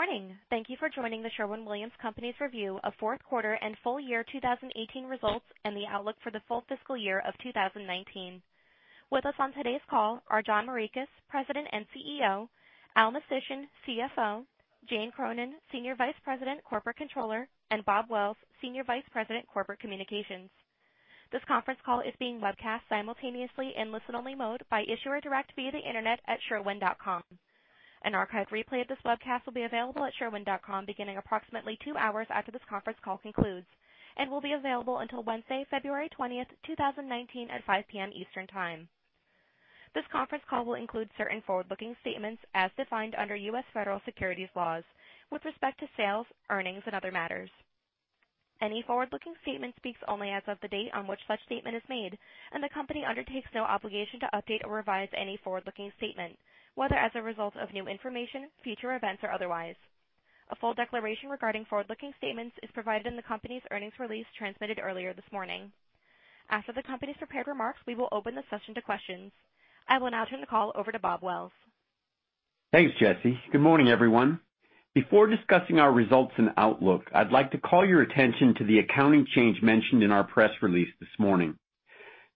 Good morning. Thank you for joining The Sherwin-Williams Company's review of fourth quarter and full year 2018 results and the outlook for the full fiscal year of 2019. With us on today's call are John Morikis, President and CEO, Al Mistysyn, CFO, Jane Cronin, Senior Vice President, Corporate Controller, and Bob Wells, Senior Vice President, Corporate Communications. This conference call is being webcast simultaneously in listen-only mode by investor direct via the internet at sherwin.com. An archive replay of this webcast will be available at sherwin.com beginning approximately two hours after this conference call concludes and will be available until Wednesday, February 20th, 2019, at 5:00 P.M. Eastern Time. This conference call will include certain forward-looking statements as defined under U.S. federal securities laws with respect to sales, earnings, and other matters. Any forward-looking statement speaks only as of the date on which such statement is made. The company undertakes no obligation to update or revise any forward-looking statement, whether as a result of new information, future events, or otherwise. A full declaration regarding forward-looking statements is provided in the company's earnings release transmitted earlier this morning. After the company's prepared remarks, we will open the session to questions. I will now turn the call over to Bob Wells. Thanks, Jesse. Good morning, everyone. Before discussing our results and outlook, I'd like to call your attention to the accounting change mentioned in our press release this morning.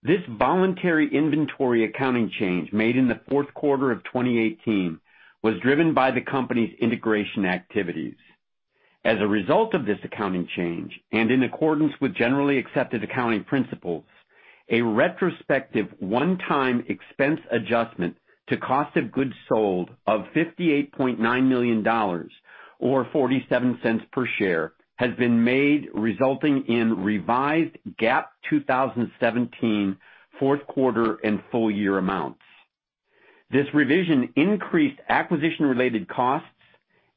This voluntary inventory accounting change, made in the fourth quarter of 2018, was driven by the company's integration activities. As a result of this accounting change, in accordance with generally accepted accounting principles, a retrospective one-time expense adjustment to cost of goods sold of $58.9 million, or $0.47 per share, has been made, resulting in revised GAAP 2017 fourth quarter and full year amounts. This revision increased acquisition-related costs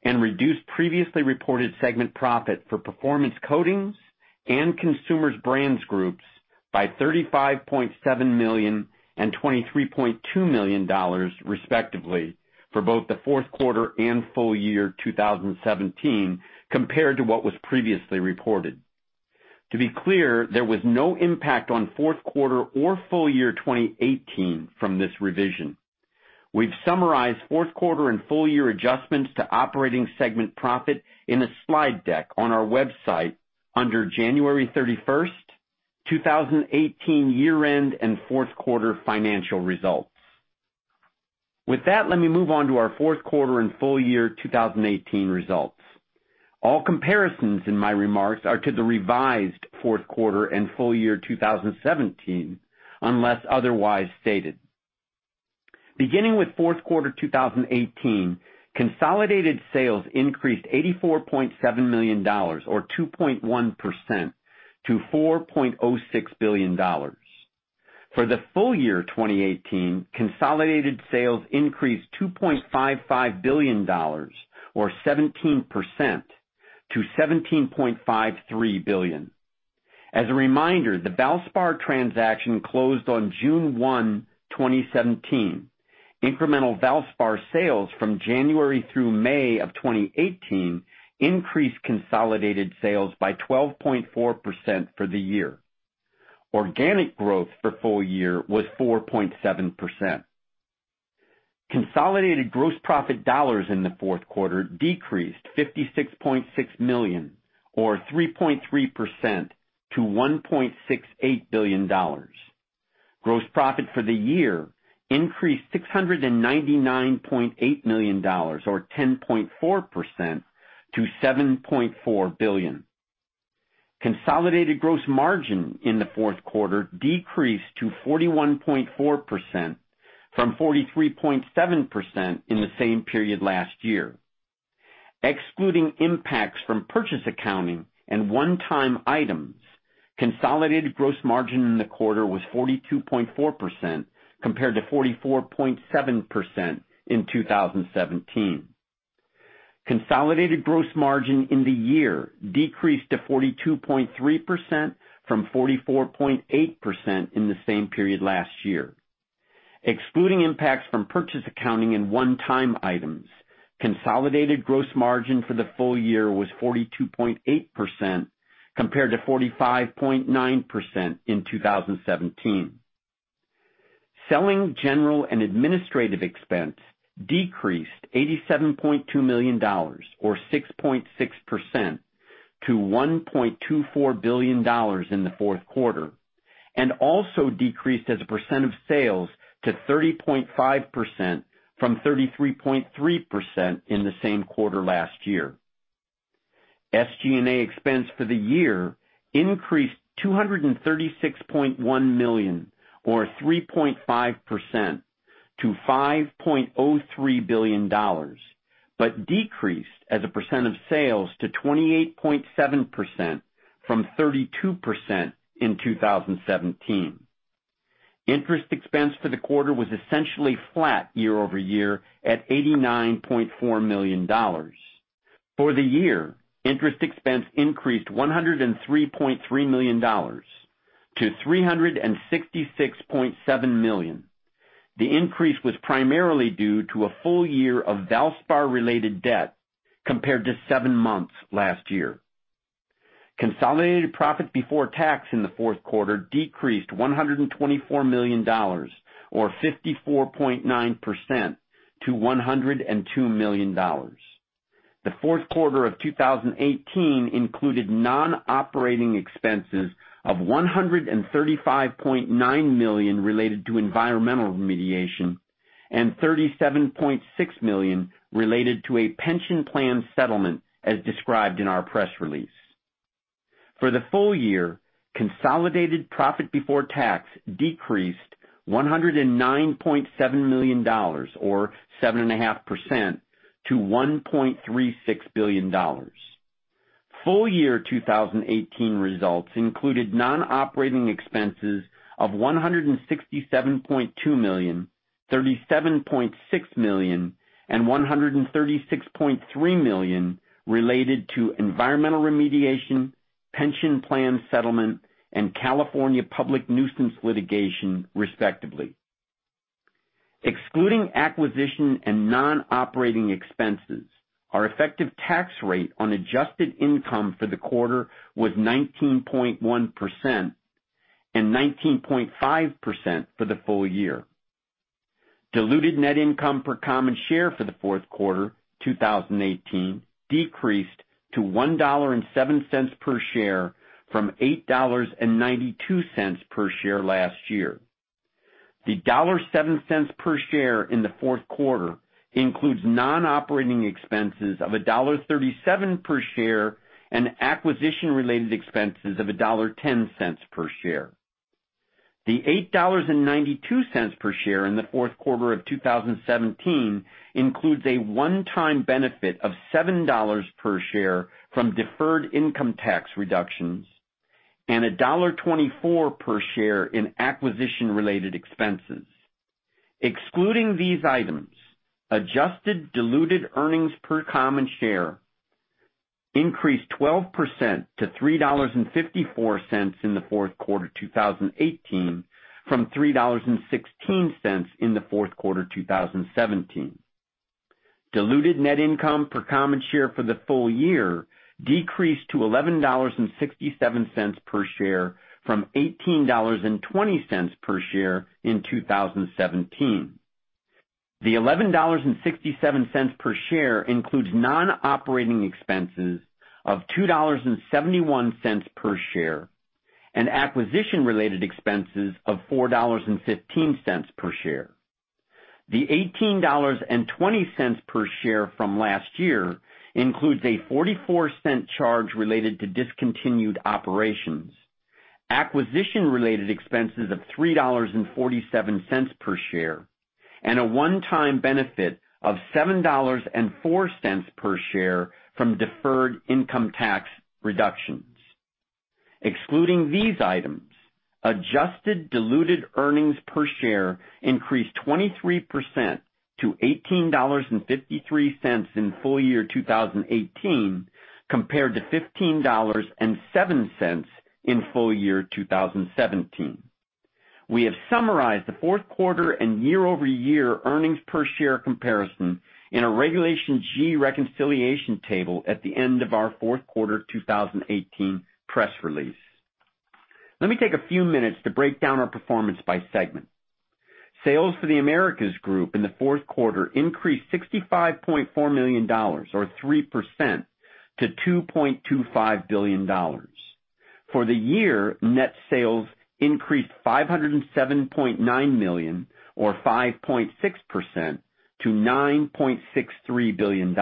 and reduced previously reported segment profit for Performance Coatings and Consumer Brands groups by $35.7 million and $23.2 million, respectively, for both the fourth quarter and full year 2017 compared to what was previously reported. To be clear, there was no impact on fourth quarter or full year 2018 from this revision. We've summarized fourth quarter and full year adjustments to operating segment profit in a slide deck on our website under January 31st, 2018 year-end and fourth quarter financial results. With that, let me move on to our fourth quarter and full year 2018 results. All comparisons in my remarks are to the revised fourth quarter and full year 2017 unless otherwise stated. Beginning with fourth quarter 2018, consolidated sales increased $84.7 million or 2.1% to $4.06 billion. For the full year 2018, consolidated sales increased $2.55 billion or 17% to $17.53 billion. As a reminder, the Valspar transaction closed on June 1, 2017. Incremental Valspar sales from January through May of 2018 increased consolidated sales by 12.4% for the year. Organic growth for full year was 4.7%. Consolidated gross profit dollars in the fourth quarter decreased $56.6 million, or 3.3%, to $1.68 billion. Gross profit for the year increased $699.8 million or 10.4% to $7.4 billion. Consolidated gross margin in the fourth quarter decreased to 41.4% from 43.7% in the same period last year. Excluding impacts from purchase accounting and one-time items, consolidated gross margin in the quarter was 42.4% compared to 44.7% in 2017. Consolidated gross margin in the year decreased to 42.3% from 44.8% in the same period last year. Excluding impacts from purchase accounting and one-time items, consolidated gross margin for the full year was 42.8% compared to 45.9% in 2017. Selling, general, and administrative expense decreased $87.2 million, or 6.6%, to $1.24 billion in the fourth quarter, and also decreased as a percent of sales to 30.5% from 33.3% in the same quarter last year. SG&A expense for the year increased $236.1 million or 3.5% to $5.03 billion, decreased as a percent of sales to 28.7% from 32% in 2017. Interest expense for the quarter was essentially flat year-over-year at $89.4 million. For the year, interest expense increased $103.3 million-$366.7 million. The increase was primarily due to a full year of Valspar-related debt compared to seven months last year. Consolidated profit before tax in the fourth quarter decreased $124 million, or 54.9%, to $102 million. The fourth quarter of 2018 included non-operating expenses of $135.9 million related to environmental remediation and $37.6 million related to a pension plan settlement as described in our press release. For the full year, consolidated profit before tax decreased $109.7 million, or 7.5%, to $1.36 billion. Full-year 2018 results included non-operating expenses of $167.2 million, $37.6 million, and $136.3 million related to environmental remediation, pension plan settlement, and California public nuisance litigation, respectively. Excluding acquisition and non-operating expenses, our effective tax rate on adjusted income for the quarter was 19.1% and 19.5% for the full year. Diluted net income per common share for the fourth quarter 2018 decreased to $1.07 per share from $8.92 per share last year. The $1.07 per share in the fourth quarter includes non-operating expenses of $1.37 per share and acquisition-related expenses of $1.10 per share. The $8.92 per share in the fourth quarter of 2017 includes a one-time benefit of $7 per share from deferred income tax reductions and $1.24 per share in acquisition-related expenses. Excluding these items, adjusted diluted earnings per common share increased 12% to $3.54 in the fourth quarter 2018 from $3.16 in the fourth quarter 2017. Diluted net income per common share for the full year decreased to $11.67 per share from $18.20 per share in 2017. The $11.67 per share includes non-operating expenses of $2.71 per share and acquisition-related expenses of $4.15 per share. The $18.20 per share from last year includes a $0.44 charge related to discontinued operations, acquisition-related expenses of $3.47 per share, and a one-time benefit of $7.04 per share from deferred income tax reductions. Excluding these items, adjusted diluted earnings per share increased 23% to $18.53 in full year 2018, compared to $15.07 in full year 2017. We have summarized the fourth quarter and year-over-year earnings per share comparison in a Regulation G reconciliation table at the end of our fourth quarter 2018 press release. Let me take a few minutes to break down our performance by segment. Sales for the Americas Group in the fourth quarter increased $65.4 million, or 3%, to $2.25 billion. For the year, net sales increased $507.9 million, or 5.6%, to $9.63 billion.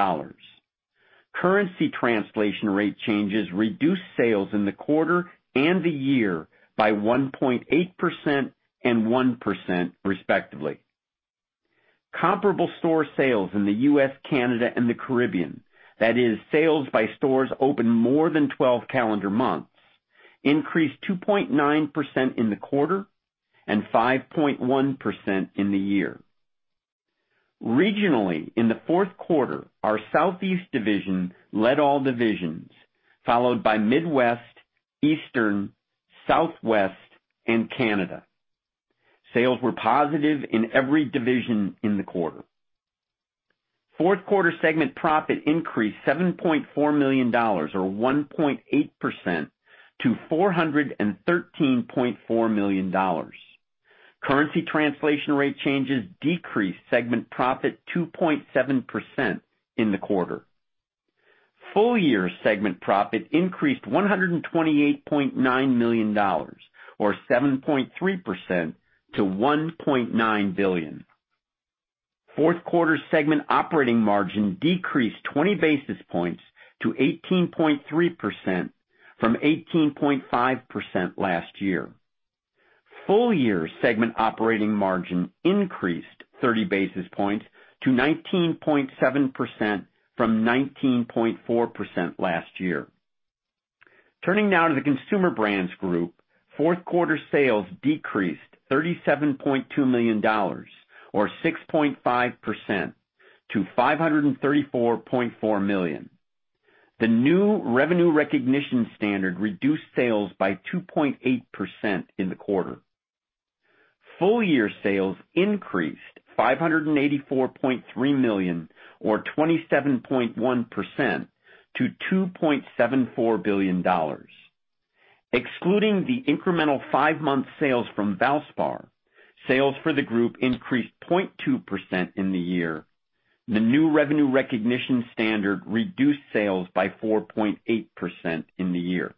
Currency translation rate changes reduced sales in the quarter and the year by 1.8% and 1% respectively. Comparable store sales in the U.S., Canada, and the Caribbean, that is sales by stores open more than 12 calendar months, increased 2.9% in the quarter and 5.1% in the year. Regionally, in the fourth quarter, our Southeast division led all divisions, followed by Midwest, Eastern, Southwest, and Canada. Sales were positive in every division in the quarter. Fourth quarter segment profit increased $7.4 million, or 1.8%, to $413.4 million. Currency translation rate changes decreased segment profit 2.7% in the quarter. Full-year segment profit increased $128.9 million, or 7.3%, to $1.9 billion. Fourth quarter segment operating margin decreased 20 basis points to 18.3% from 18.5% last year. Full-year segment operating margin increased 30 basis points to 19.7% from 19.4% last year. Turning now to the Consumer Brands group. Fourth quarter sales decreased $37.2 million, or 6.5%, to $534.4 million. The new revenue recognition standard reduced sales by 2.8% in the quarter. Full year sales increased to $584.3 million or 27.1% to $2.74 billion. Excluding the incremental five-month sales from Valspar, sales for the group increased 0.2% in the year. The new revenue recognition standard reduced sales by 4.8% in the year.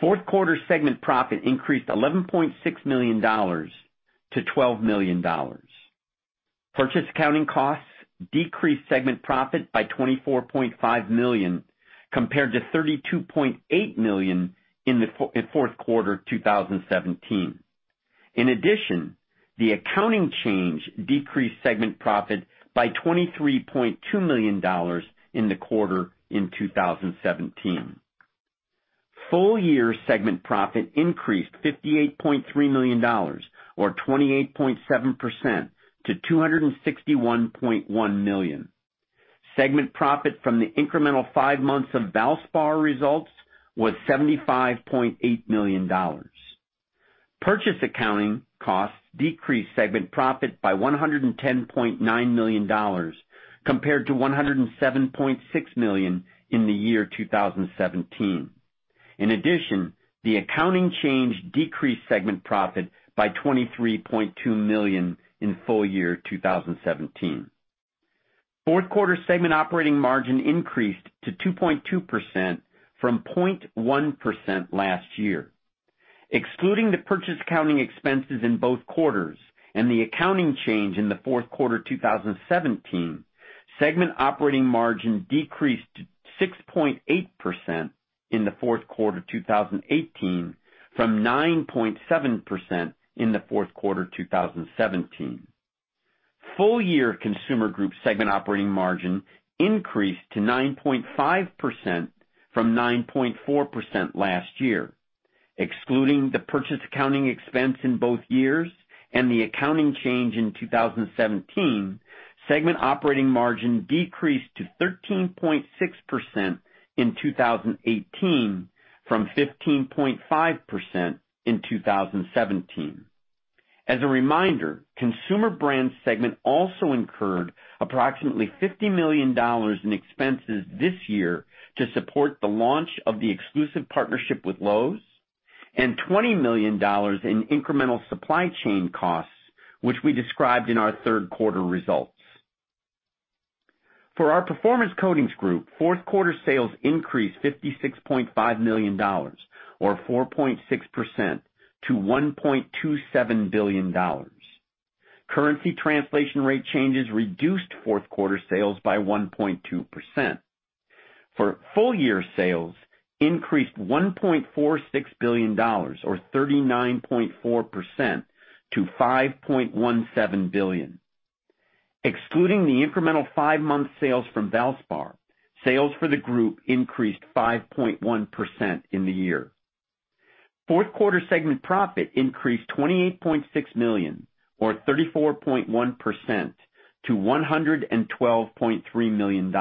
Fourth quarter segment profit increased to $11.6 million-$12 million. Purchase accounting costs decreased segment profit by $24.5 million compared to $32.8 million in fourth quarter 2017. In addition, the accounting change decreased segment profit by $23.2 million in the quarter in 2017. Full year segment profit increased to $58.3 million or 28.7% to $261.1 million. Segment profit from the incremental five months of Valspar results was $75.8 million. Purchase accounting costs decreased segment profit by $110.9 million compared to $107.6 million in the year 2017. In addition, the accounting change decreased segment profit by $23.2 million in full year 2017. Fourth quarter segment operating margin increased to 2.2% from 0.1% last year. Excluding the purchase accounting expenses in both quarters and the accounting change in the fourth quarter 2017, segment operating margin decreased to 6.8% in the fourth quarter 2018 from 9.7% in the fourth quarter 2017. Full year consumer group segment operating margin increased to 9.5% from 9.4% last year. Excluding the purchase accounting expense in both years and the accounting change in 2017, segment operating margin decreased to 13.6% in 2018 from 15.5% in 2017. As a reminder, Consumer Brands segment also incurred approximately $50 million in expenses this year to support the launch of the exclusive partnership with Lowe's and $20 million in incremental supply chain costs, which we described in our third quarter results. For our Performance Coatings Group, fourth quarter sales increased to $56.5 million or 4.6% to $1.27 billion. Currency translation rate changes reduced fourth quarter sales by 1.2%. For full year sales increased to $1.46 billion or 39.4% to $5.17 billion. Excluding the incremental five-month sales from Valspar, sales for the group increased 5.1% in the year. Fourth quarter segment profit increased to $28.6 million or 34.1% to $112.3 million.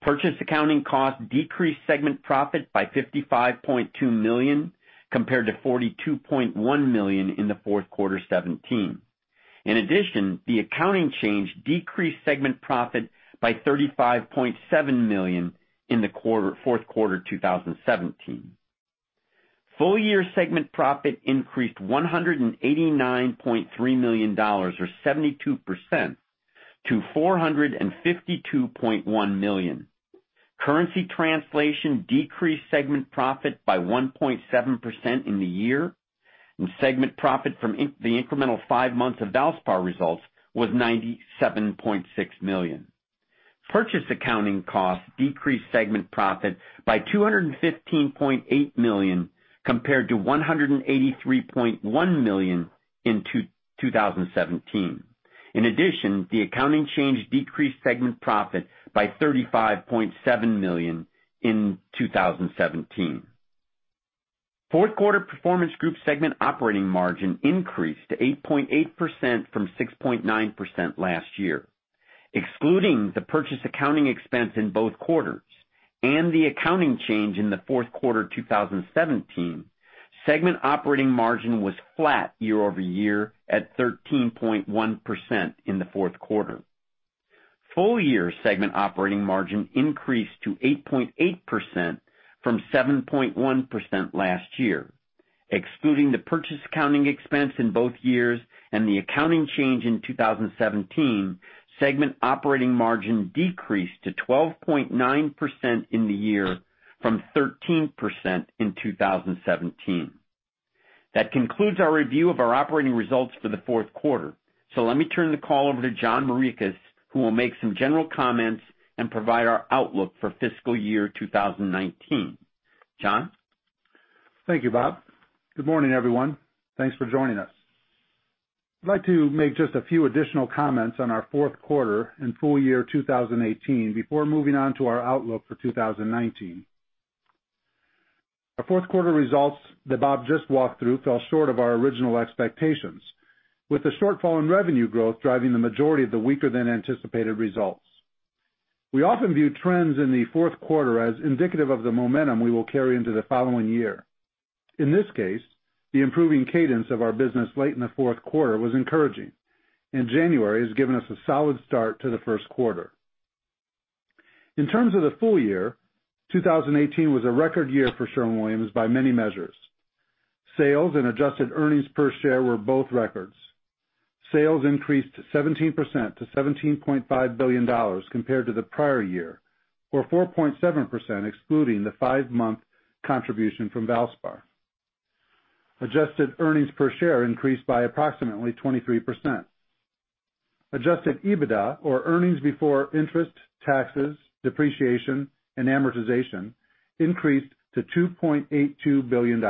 Purchase accounting costs decreased segment profit by $55.2 million compared to $42.1 million in the fourth quarter 2017. In addition, the accounting change decreased segment profit by $35.7 million in the fourth quarter 2017. Full year segment profit increased to $189.3 million or 72% to $452.1 million. Currency translation decreased segment profit by 1.7% in the year, and segment profit from the incremental five months of Valspar results was $97.6 million. Purchase accounting costs decreased segment profit by $215.8 million compared to $183.1 million in 2017. In addition, the accounting change decreased segment profit by $35.7 million in 2017. Fourth quarter Performance Coatings Group segment operating margin increased to 8.8% from 6.9% last year. Excluding the purchase accounting expense in both quarters and the accounting change in the fourth quarter 2017, segment operating margin was flat year-over-year at 13.1% in the fourth quarter. Full year segment operating margin increased to 8.8% from 7.1% last year. Excluding the purchase accounting expense in both years and the accounting change in 2017, segment operating margin decreased to 12.9% in the year from 13% in 2017. That concludes our review of our operating results for the fourth quarter. Let me turn the call over to John Morikis, who will make some general comments and provide our outlook for fiscal year 2019. John? Thank you, Bob. Good morning, everyone. Thanks for joining us. I'd like to make just a few additional comments on our fourth quarter and full year 2018 before moving on to our outlook for 2019. Our fourth quarter results that Bob just walked through fell short of our original expectations, with the shortfall in revenue growth driving the majority of the weaker than anticipated results. We often view trends in the fourth quarter as indicative of the momentum we will carry into the following year. In this case, the improving cadence of our business late in the fourth quarter was encouraging, and January has given us a solid start to the first quarter. In terms of the full year, 2018 was a record year for Sherwin-Williams by many measures. Sales and adjusted earnings per share were both records. Sales increased 17% to $17.5 billion compared to the prior year, or 4.7% excluding the five-month contribution from Valspar. Adjusted earnings per share increased by approximately 23%. Adjusted EBITDA, or earnings before interest, taxes, depreciation, and amortization, increased to $2.82 billion.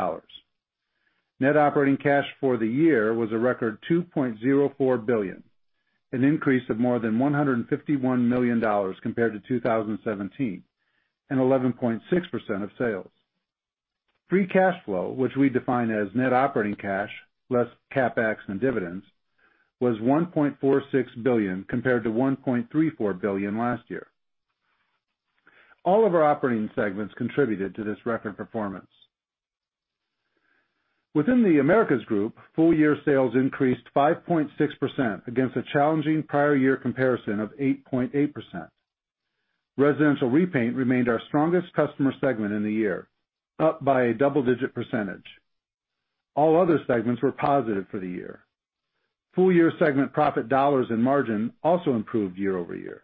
Net operating cash for the year was a record $2.04 billion, an increase of more than $151 million compared to 2017, and 11.6% of sales. Free cash flow, which we define as net operating cash plus CapEx and dividends, was $1.46 billion compared to $1.34 billion last year. All of our operating segments contributed to this record performance. Within the Americas Group, full-year sales increased 5.6% against a challenging prior year comparison of 8.8%. Residential Repaint remained our strongest customer segment in the year, up by a double-digit percentage. All other segments were positive for the year. Full-year segment profit dollars and margin also improved year-over-year.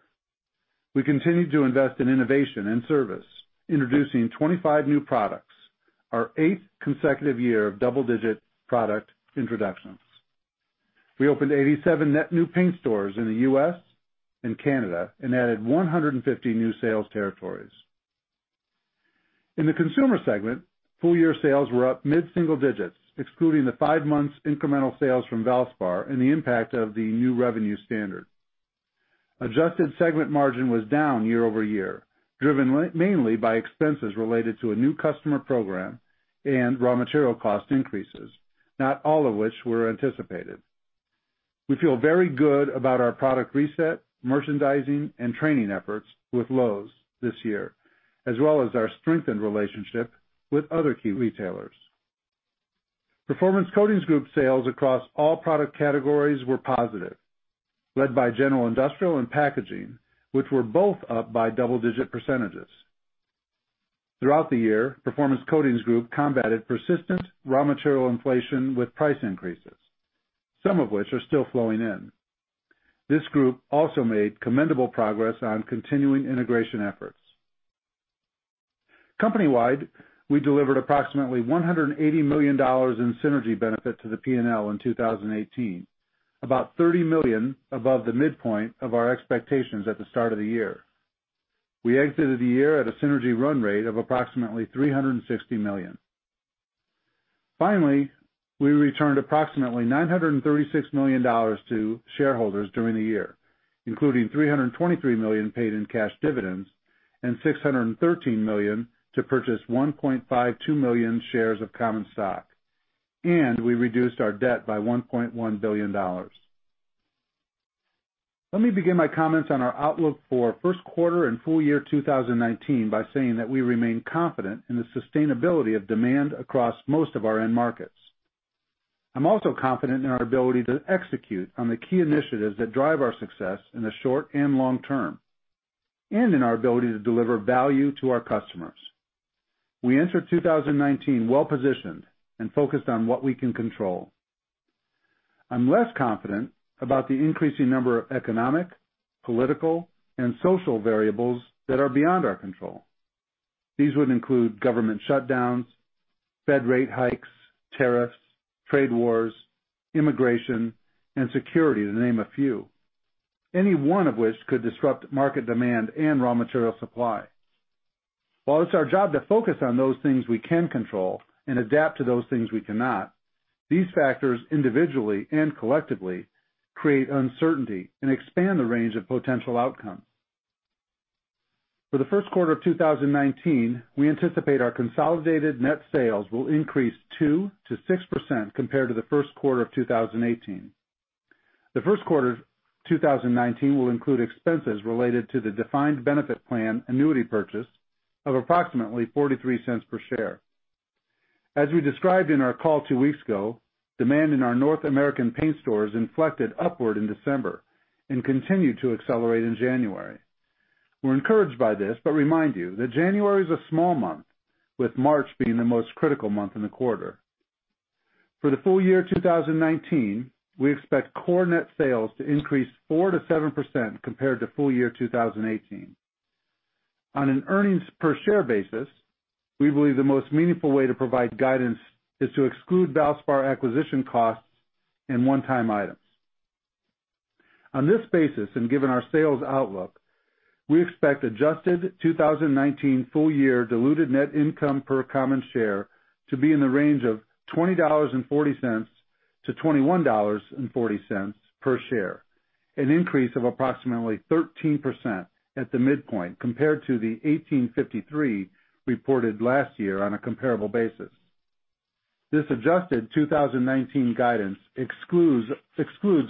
We continued to invest in innovation and service, introducing 25 new products, our eighth consecutive year of double-digit product introductions. We opened 87 net new paint stores in the U.S. and Canada and added 150 new sales territories. In the Consumer Brands segment, full-year sales were up mid-single digits, excluding the five months incremental sales from Valspar and the impact of the new revenue standard. Adjusted segment margin was down year-over-year, driven mainly by expenses related to a new customer program and raw material cost increases, not all of which were anticipated. We feel very good about our product reset, merchandising, and training efforts with Lowe's this year, as well as our strengthened relationship with other key retailers. Performance Coatings Group sales across all product categories were positive, led by general industrial and packaging, which were both up by double-digit percentages. Throughout the year, Performance Coatings Group combated persistent raw material inflation with price increases, some of which are still flowing in. This group also made commendable progress on continuing integration efforts. Company-wide, we delivered approximately $180 million in synergy benefit to the P&L in 2018, about $30 million above the midpoint of our expectations at the start of the year. We exited the year at a synergy run rate of approximately $360 million. We returned approximately $936 million to shareholders during the year, including $323 million paid in cash dividends and $613 million to purchase 1.52 million shares of common stock, and we reduced our debt by $1.1 billion. Let me begin my comments on our outlook for first quarter and full year 2019 by saying that we remain confident in the sustainability of demand across most of our end markets. I'm also confident in our ability to execute on the key initiatives that drive our success in the short and long term, and in our ability to deliver value to our customers. We enter 2019 well-positioned and focused on what we can control. I'm less confident about the increasing number of economic, political, and social variables that are beyond our control. These would include government shutdowns, Fed rate hikes, tariffs, trade wars, immigration, and security, to name a few. Any one of which could disrupt market demand and raw material supply. While it's our job to focus on those things we can control and adapt to those things we cannot, these factors, individually and collectively, create uncertainty and expand the range of potential outcomes. For the first quarter of 2019, we anticipate our consolidated net sales will increase 2%-6% compared to the first quarter of 2018. The first quarter of 2019 will include expenses related to the defined benefit plan annuity purchase of approximately $0.43 per share. As we described in our call two weeks ago, demand in our North American paint stores inflected upward in December and continued to accelerate in January. We're encouraged by this, but remind you that January is a small month, with March being the most critical month in the quarter. For the full year 2019, we expect core net sales to increase 4%-7% compared to full year 2018. On an earnings per share basis, we believe the most meaningful way to provide guidance is to exclude Valspar acquisition costs and one-time items. On this basis, given our sales outlook, we expect adjusted 2019 full-year diluted net income per common share to be in the range of $20.40-$21.40 per share, an increase of approximately 13% at the midpoint compared to the $18.53 reported last year on a comparable basis. This adjusted 2019 guidance excludes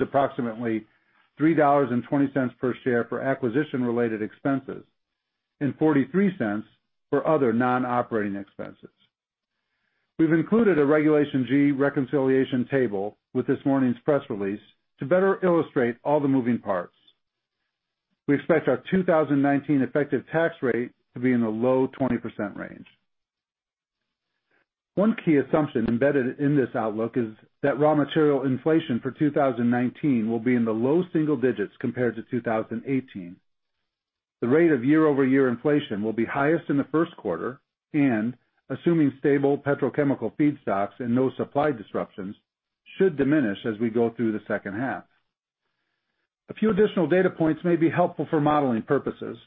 approximately $3.20 per share for acquisition-related expenses and $0.43 for other non-operating expenses. We've included a Regulation G reconciliation table with this morning's press release to better illustrate all the moving parts. We expect our 2019 effective tax rate to be in the low 20% range. One key assumption embedded in this outlook is that raw material inflation for 2019 will be in the low single digits compared to 2018. The rate of year-over-year inflation will be highest in the first quarter and, assuming stable petrochemical feedstocks and no supply disruptions, should diminish as we go through the second half. A few additional data points may be helpful for modeling purposes.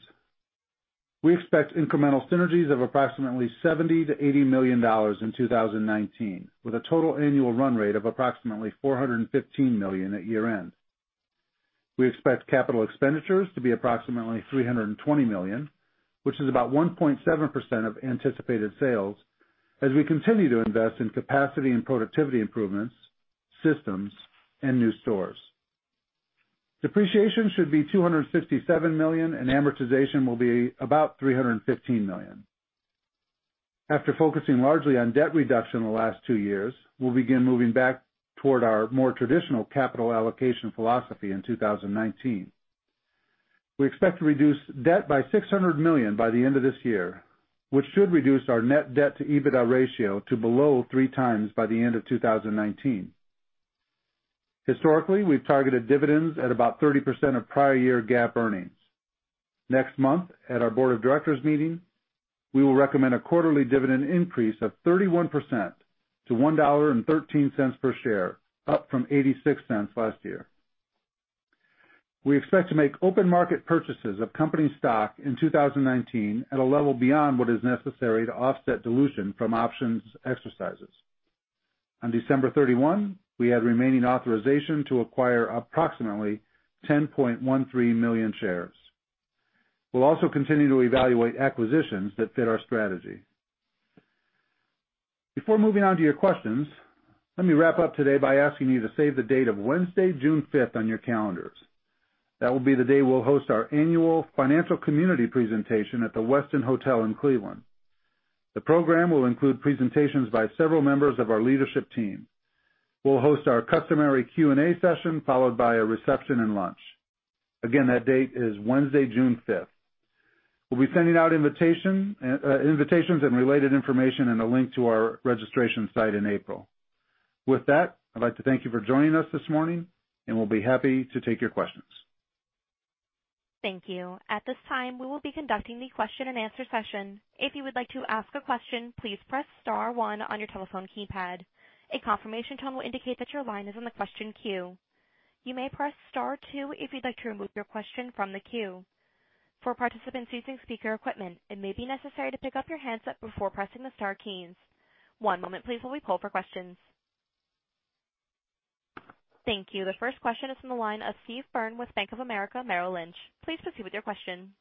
We expect incremental synergies of approximately $70 million to $80 million in 2019, with a total annual run rate of approximately $415 million at year-end. We expect capital expenditures to be approximately $320 million, which is about 1.7% of anticipated sales as we continue to invest in capacity and productivity improvements, systems, and new stores. Depreciation should be $257 million, and amortization will be about $315 million. After focusing largely on debt reduction in the last two years, we'll begin moving back toward our more traditional capital allocation philosophy in 2019. We expect to reduce debt by $600 million by the end of this year, which should reduce our net debt to EBITDA ratio to below 3x by the end of 2019. Historically, we've targeted dividends at about 30% of prior year GAAP earnings. Next month, at our board of directors meeting, we will recommend a quarterly dividend increase of 31% to $1.13 per share, up from $0.86 last year. We expect to make open market purchases of company stock in 2019 at a level beyond what is necessary to offset dilution from options exercises. On December 31, we had remaining authorization to acquire approximately 10.13 million shares. We'll also continue to evaluate acquisitions that fit our strategy. Before moving on to your questions, let me wrap up today by asking you to save the date of Wednesday, June 5th on your calendars. That will be the day we'll host our annual financial community presentation at the Westin Hotel in Cleveland. The program will include presentations by several members of our leadership team. We'll host our customary Q&A session, followed by a reception and lunch. Again, that date is Wednesday, June 5th. We'll be sending out invitations and related information and a link to our registration site in April. With that, I'd like to thank you for joining us this morning, we'll be happy to take your questions. Thank you. At this time, we will be conducting the question-and-answer session. If you would like to ask a question, please press star one on your telephone keypad. A confirmation tone will indicate that your line is in the question queue. You may press star two if you'd like to remove your question from the queue. For participants using speaker equipment, it may be necessary to pick up your handset before pressing the star keys. One moment, please, while we pull for questions. Thank you. The first question is on the line of Steve Byrne with Bank of America Merrill Lynch. Please proceed with your question.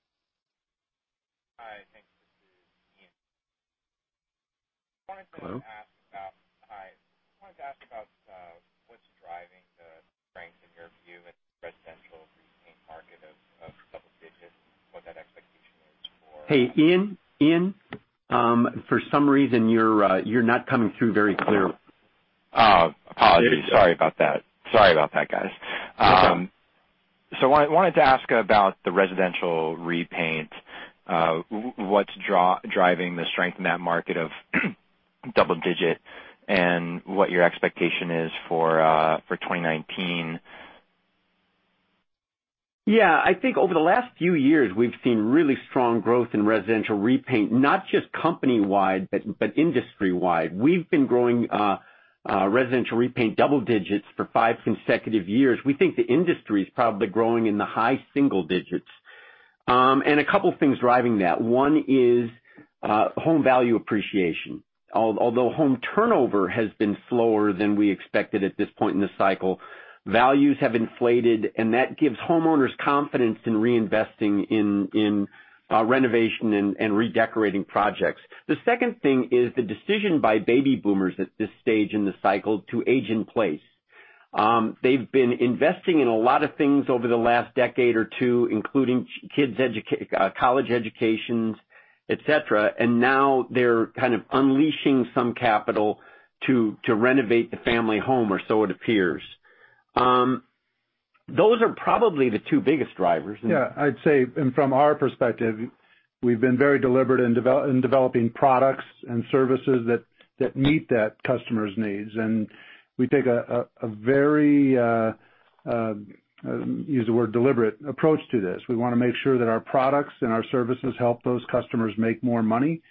Hi. Thanks. This is Ian. Hello. Hi. I wanted to ask about what's driving the strength, in your view, in the residential repaint market of double digits, what that expectation is for- Hey, Ian? Ian? For some reason, you're not coming through very clear. Apologies. Sorry about that. Sorry about that, guys. That's okay. I wanted to ask about the residential repaint. What's driving the strength in that market of double digits, and what your expectation is for 2019? I think over the last few years, we've seen really strong growth in residential repaint, not just company-wide, but industry-wide. We've been growing residential repaint double digits for five consecutive years. We think the industry is probably growing in the high single digits. A couple things driving that. One is home value appreciation. Although home turnover has been slower than we expected at this point in the cycle, values have inflated, and that gives homeowners confidence in reinvesting in renovation and redecorating projects. The second thing is the decision by baby boomers at this stage in the cycle to age in place. They've been investing in a lot of things over the last decade or two, including college educations, et cetera, and now they're kind of unleashing some capital to renovate the family home, or so it appears. Those are probably the two biggest drivers. I'd say from our perspective, we've been very deliberate in developing products and services that meet that customer's needs. We take a very, use the word deliberate, approach to this. We want to make sure that our products and our services help those customers make more money.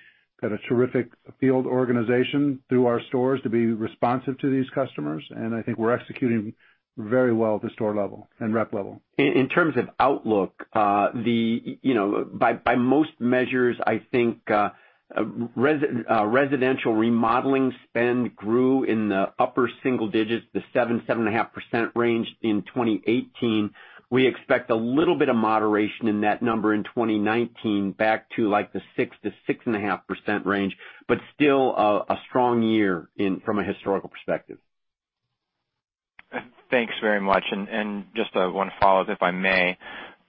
Got a terrific field organization through our stores to be responsive to these customers, and I think we're executing very well at the store level and rep level. In terms of outlook, by most measures, I think residential remodeling spend grew in the upper single digits, the 7%-7.5% range in 2018. We expect a little bit of moderation in that number in 2019 back to like the 6%-6.5% range, still a strong year from a historical perspective. Thanks very much. Just one follow-up, if I may.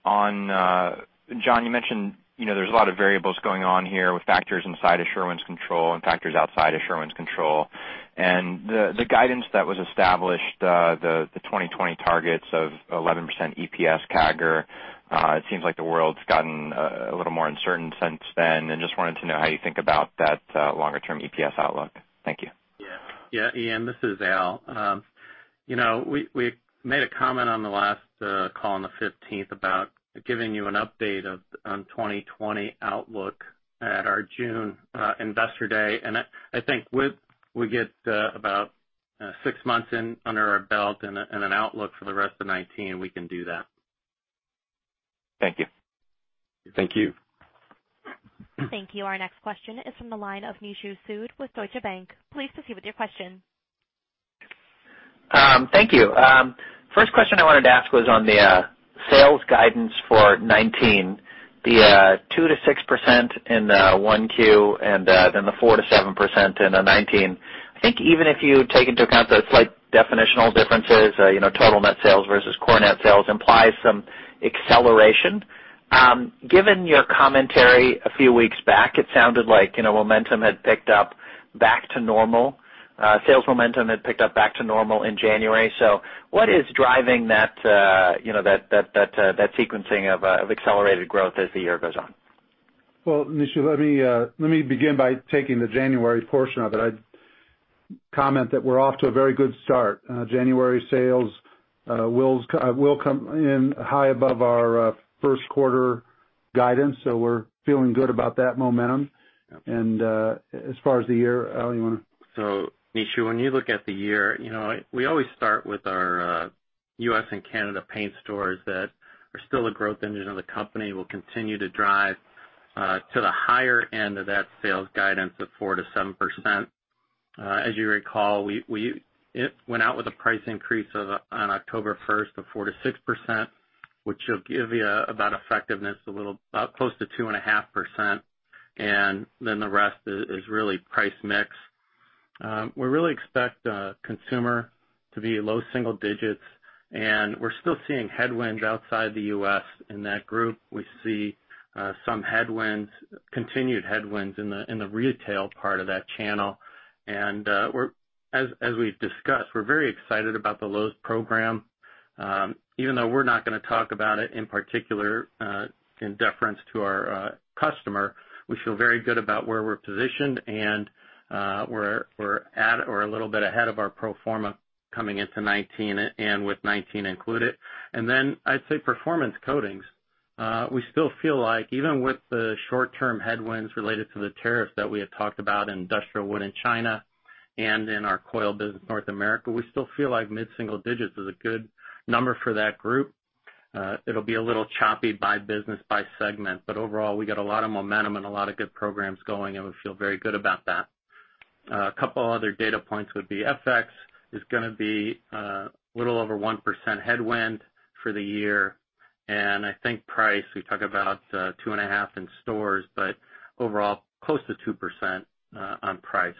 John, you mentioned there's a lot of variables going on here with factors inside of Sherwin's control and factors outside of Sherwin's control, and the guidance that was established, the 2020 targets of 11% EPS CAGR, it seems like the world's gotten a little more uncertain since then. Just wanted to know how you think about that longer-term EPS outlook. Thank you. Yeah. Ian, this is Al. We made a comment on the last call on the 15th about giving you an update on 2020 outlook at our June investor day. I think with we get about six months in under our belt and an outlook for the rest of 2019, we can do that. Thank you. Thank you. Thank you. Our next question is from the line of Nishu Sood with Deutsche Bank. Please proceed with your question. Thank you. First question I wanted to ask was on the sales guidance for 2019, the 2%-6% in 1Q and then the 4%-7% in 2019. I think even if you take into account the slight definitional differences, total net sales versus core net sales implies some acceleration. Given your commentary a few weeks back, it sounded like momentum had picked up back to normal. Sales momentum had picked up back to normal in January. What is driving that sequencing of accelerated growth as the year goes on? Well, Nishu, let me begin by taking the January portion of it. I'd comment that we're off to a very good start. January sales will come in high above our first quarter guidance. We're feeling good about that momentum. As far as the year, Al, you want to? Nishu, when you look at the year, we always start with our U.S. and Canada paint stores that are still a growth engine of the company, will continue to drive to the higher end of that sales guidance of 4%-7%. As you recall, it went out with a price increase on October 1st of 4%-6%, which will give you about effectiveness close to 2.5%, then the rest is really price mix. We really expect consumer to be low single digits, and we're still seeing headwinds outside the U.S. in that group. We see some continued headwinds in the retail part of that channel. As we've discussed, we're very excited about the Lowe's program. Even though we're not going to talk about it in particular, in deference to our customer, we feel very good about where we're positioned, and we're at or a little bit ahead of our pro forma coming into 2019 and with 2019 included. I'd say Performance Coatings. We still feel like even with the short-term headwinds related to the tariffs that we had talked about in industrial wood in China and in our coil business North America, we still feel like mid-single digits is a good number for that group. It'll be a little choppy by business, by segment, but overall, we got a lot of momentum and a lot of good programs going, and we feel very good about that. A couple other data points would be FX is going to be a little over 1% headwind for the year, and I think price, we talk about 2.5 in stores, but overall, close to 2% on price.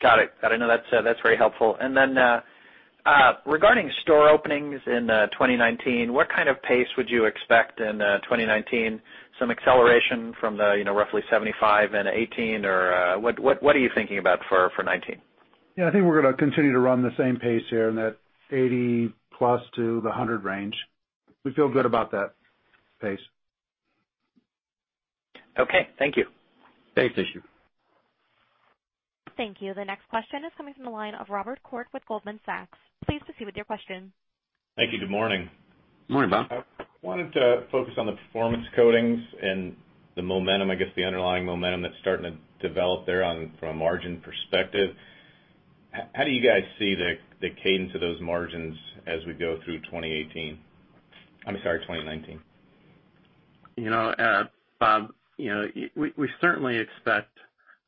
Got it. That's very helpful. Regarding store openings in 2019, what kind of pace would you expect in 2019? Some acceleration from the roughly 75 in 2018 or what are you thinking about for 2019? Yeah, I think we're going to continue to run the same pace here in that 80+ to the 100 range. We feel good about that pace. Okay. Thank you. Thanks, Nishu. Thank you. The next question is coming from the line of Robert Koort with Goldman Sachs. Please proceed with your question. Thank you. Good morning. Morning, Bob. I wanted to focus on the Performance Coatings and the momentum, I guess the underlying momentum that's starting to develop there from a margin perspective. How do you guys see the cadence of those margins as we go through 2018? I'm sorry, 2019. Bob, we certainly expect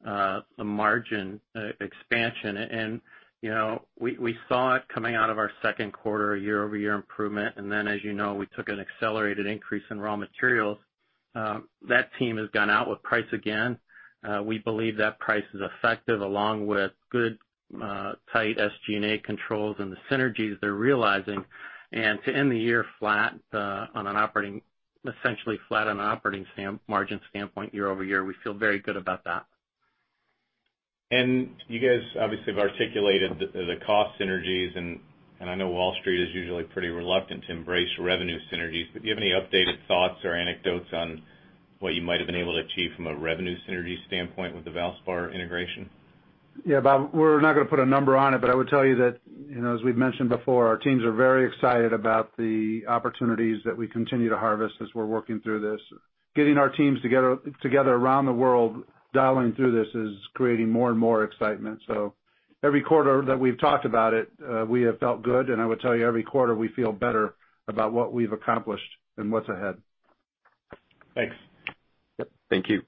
a margin expansion, and we saw it coming out of our second quarter year-over-year improvement, and then as you know, we took an accelerated increase in raw materials. That team has gone out with price again. We believe that price is effective along with good tight SG&A controls and the synergies they're realizing. To end the year essentially flat on an operating margin standpoint year-over-year, we feel very good about that. You guys obviously have articulated the cost synergies, and I know Wall Street is usually pretty reluctant to embrace revenue synergies, but do you have any updated thoughts or anecdotes on what you might have been able to achieve from a revenue synergy standpoint with the Valspar integration? Yeah, Bob, we're not going to put a number on it, but I would tell you that, as we've mentioned before, our teams are very excited about the opportunities that we continue to harvest as we're working through this. Getting our teams together around the world, dialing through this is creating more and more excitement. Every quarter that we've talked about it, we have felt good, and I would tell you every quarter we feel better about what we've accomplished and what's ahead. Thanks. Yep, thank you.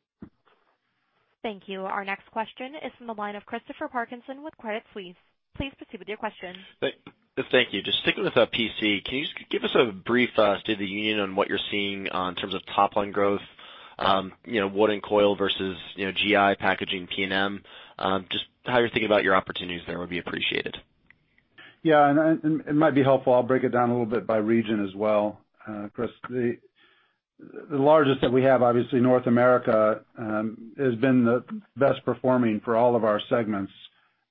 Thank you. Our next question is from the line of Christopher Parkinson with Credit Suisse. Please proceed with your question. Thank you. Just sticking with PC, can you just give us a brief state of the union on what you're seeing in terms of top-line growth, wood and coil versus GI, packaging, P&M. Just how you're thinking about your opportunities there would be appreciated. Yeah. It might be helpful, I'll break it down a little bit by region as well. Chris, the largest that we have, obviously North America, has been the best performing for all of our segments.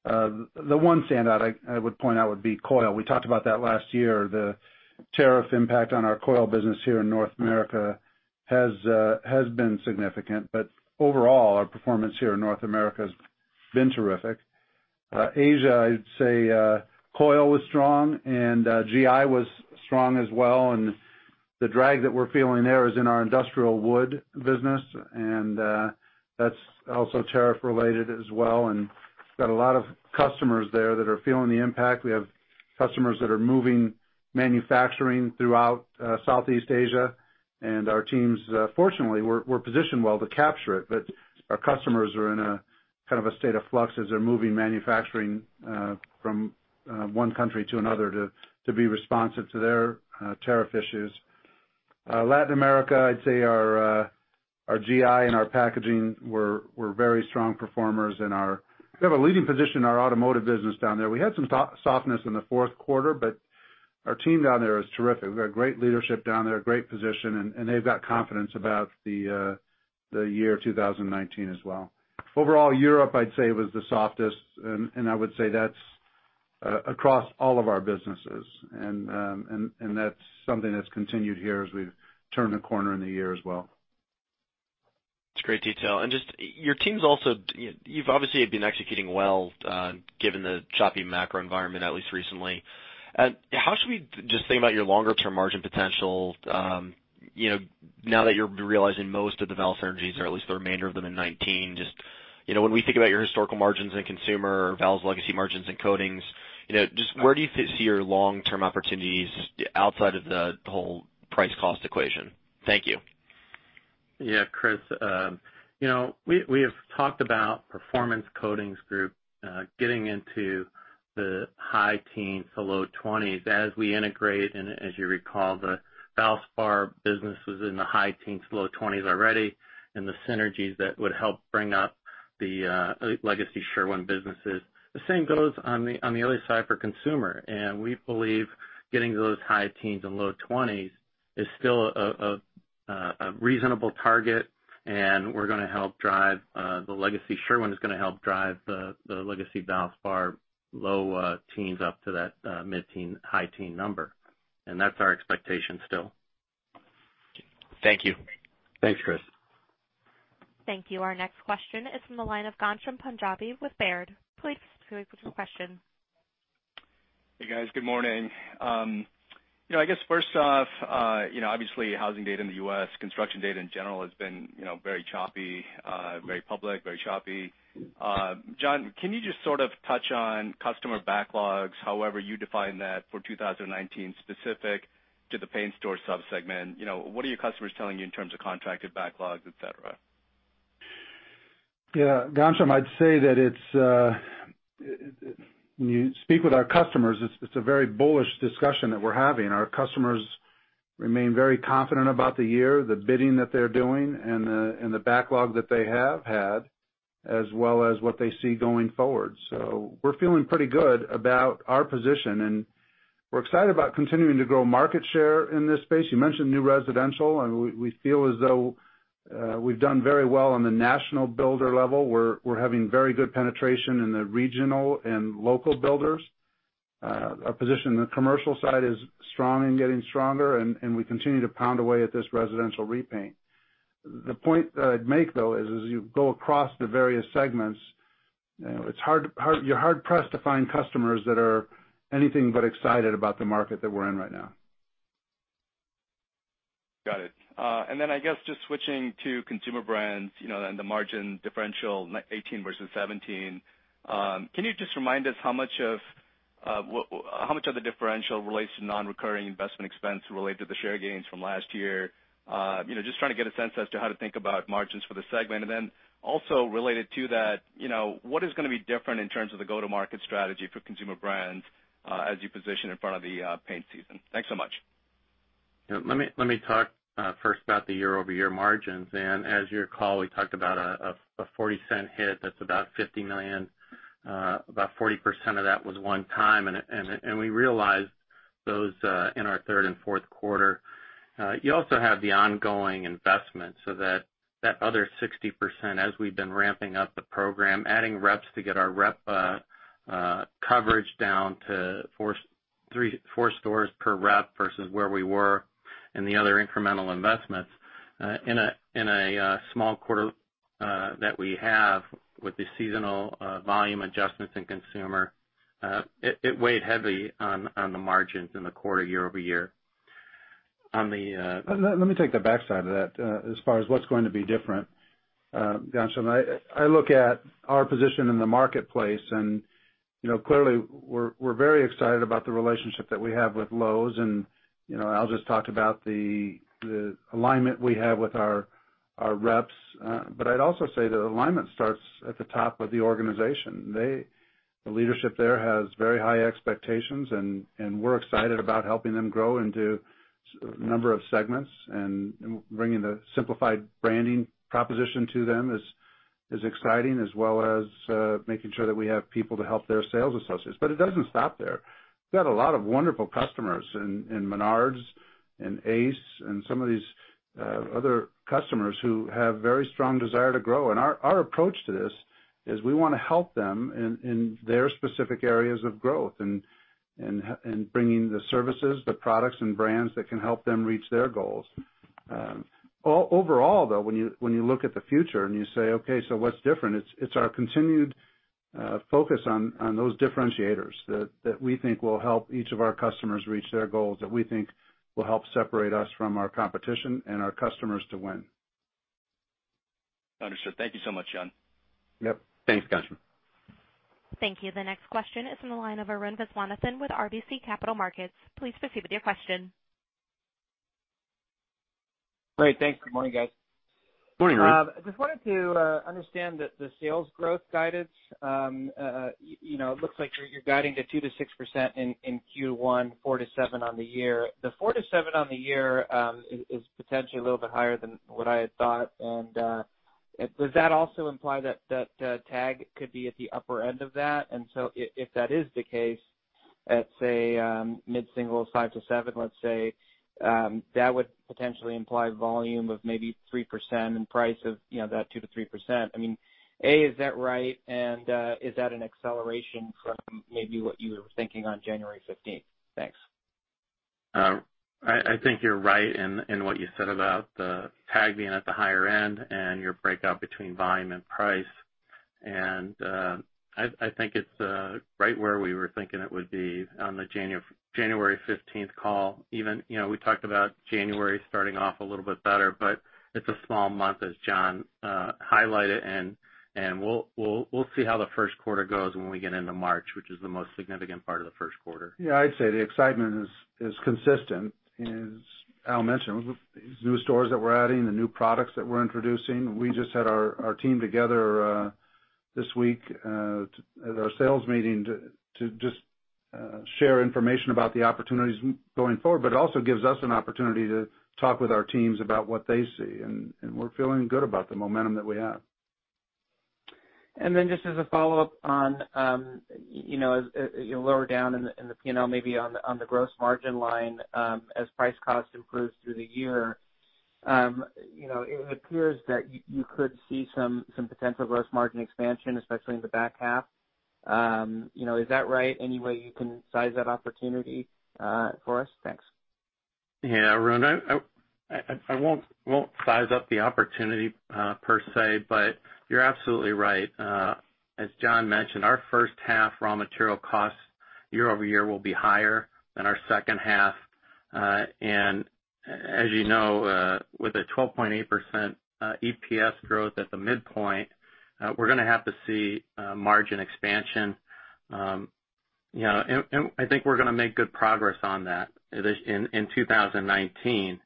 The one standout I would point out would be coil. We talked about that last year. The tariff impact on our coil business here in North America has been significant. Overall, our performance here in North America has been terrific. Asia, I'd say, coil was strong and GI was strong as well. The drag that we're feeling there is in our industrial wood business, and that's also tariff related as well, and got a lot of customers there that are feeling the impact. We have customers that are moving manufacturing throughout Southeast Asia, and our teams, fortunately, we're positioned well to capture it. Our customers are in a state of flux as they're moving manufacturing from one country to another to be responsive to their tariff issues. Latin America, I'd say our GI and our packaging were very strong performers. We have a leading position in our automotive business down there. We had some softness in the fourth quarter, but our team down there is terrific. We have great leadership down there, great position, and they've got confidence about the year 2019 as well. Overall, Europe, I'd say, was the softest, and I would say that's across all of our businesses. That's something that's continued here as we've turned the corner in the year as well. That's great detail. Just your teams also, you've obviously been executing well, given the choppy macro environment, at least recently. How should we just think about your longer term margin potential, now that you're realizing most of the Valspar synergies or at least the remainder of them in 2019? Just when we think about your historical margins in consumer, Valspar's legacy margins in coatings, just where do you see your long-term opportunities outside of the whole price cost equation? Thank you. Yeah. Chris, we have talked about Performance Coatings Group getting into the high teens to low 20s as we integrate and as you recall, the Valspar business was in the high teens to low 20s already and the synergies that would help bring up the legacy Sherwin businesses. The same goes on the early side for Consumer Brands, and we believe getting to those high teens and low 20s is still a reasonable target, and we're gonna help drive the legacy. Sherwin is gonna help drive the legacy Valspar low teens up to that mid-teen, high teen number. That's our expectation still. Thank you. Thanks, Chris. Thank you. Our next question is from the line of Ghansham Panjabi with Baird. Please go ahead with your question. Hey, guys. Good morning. I guess first off, obviously housing data in the U.S., construction data in general has been very choppy, very public, very choppy. John, can you just sort of touch on customer backlogs, however you define that for 2019, specific to the paint store sub-segment. What are your customers telling you in terms of contracted backlogs, et cetera? Yeah. Ghansham, I'd say that when you speak with our customers, it's a very bullish discussion that we're having. Our customers remain very confident about the year, the bidding that they're doing and the backlog that they have had, as well as what they see going forward. We're feeling pretty good about our position, and we're excited about continuing to grow market share in this space. You mentioned new residential, we feel as though we've done very well on the national builder level. We're having very good penetration in the regional and local builders. Our position in the commercial side is strong and getting stronger, and we continue to pound away at this residential repaint. The point that I'd make, though, is as you go across the various segments, you're hard-pressed to find customers that are anything but excited about the market that we're in right now. Got it. I guess just switching to Consumer Brands, and the margin differential 2018 versus 2017. Can you just remind us how much of the differential relates to non-recurring investment expense related to the share gains from last year? Just trying to get a sense as to how to think about margins for the segment. Also related to that, what is gonna be different in terms of the go-to-market strategy for Consumer Brands as you position in front of the paint season? Thanks so much. Let me talk first about the year-over-year margins. As you recall, we talked about a $0.40 hit that's about $50 million. About 40% of that was one-time, and we realized those in our third and fourth quarter. You also have the ongoing investment, so that other 60%, as we've been ramping up the program, adding reps to get our rep coverage down to four stores per rep versus where we were and the other incremental investments. In a small quarter that we have with the seasonal volume adjustments in consumer, it weighed heavy on the margins in the quarter year-over-year. On the- Let me take the backside of that as far as what is going to be different, Ghansham. I look at our position in the marketplace and clearly we are very excited about the relationship that we have with Lowe's, and I will just talk about the alignment we have with our reps. I'd also say the alignment starts at the top of the organization. The leadership there has very high expectations, and we are excited about helping them grow into a number of segments and bringing the simplified branding proposition to them is exciting, as well as making sure that we have people to help their sales associates. It doesn't stop there. We've got a lot of wonderful customers in Menards and Ace and some of these other customers who have very strong desire to grow. Our approach to this is we want to help them in their specific areas of growth and bringing the services, the products, and brands that can help them reach their goals. Overall, though, when you look at the future and you say, "Okay, so what's different?" It's our continued focus on those differentiators that we think will help each of our customers reach their goals, that we think will help separate us from our competition and our customers to win. Understood. Thank you so much, John. Yep. Thanks, Ghansham. Thank you. The next question is from the line of Arun Viswanathan with RBC Capital Markets. Please proceed with your question. Great. Thanks. Good morning, guys. Morning, Arun. Just wanted to understand the sales growth guidance. It looks like you're guiding to 2%-6% in Q1, 4%-7% on the year. The 4%-7% on the year is potentially a little bit higher than what I had thought. Does that also imply that TAG could be at the upper end of that? If that is the case, at, say, mid-single, 5%-7%, let's say, that would potentially imply volume of maybe 3% and price of that 2%-3%. I mean, A, is that right, and is that an acceleration from maybe what you were thinking on January 15th? Thanks. I think you're right in what you said about the TAG being at the higher end and your breakout between volume and price. I think it's right where we were thinking it would be on the January 15th call. Even we talked about January starting off a little bit better, but it's a small month as John highlighted, and we'll see how the first quarter goes when we get into March, which is the most significant part of the first quarter. Yeah, I'd say the excitement is consistent. As Al mentioned, these new stores that we're adding, the new products that we're introducing. We just had our team together this week at our sales meeting to just share information about the opportunities going forward. It also gives us an opportunity to talk with our teams about what they see, and we're feeling good about the momentum that we have. Just as a follow-up on lower down in the P&L, maybe on the gross margin line as price cost improves through the year. It appears that you could see some potential gross margin expansion, especially in the back half. Is that right? Any way you can size that opportunity for us? Thanks. Yeah, Arun, I won't size up the opportunity per se, but you're absolutely right. As John mentioned, our first half raw material costs year-over-year will be higher than our second half. As you know, with a 12.8% EPS growth at the midpoint, we're going to have to see margin expansion. I think we're going to make good progress on that in 2019.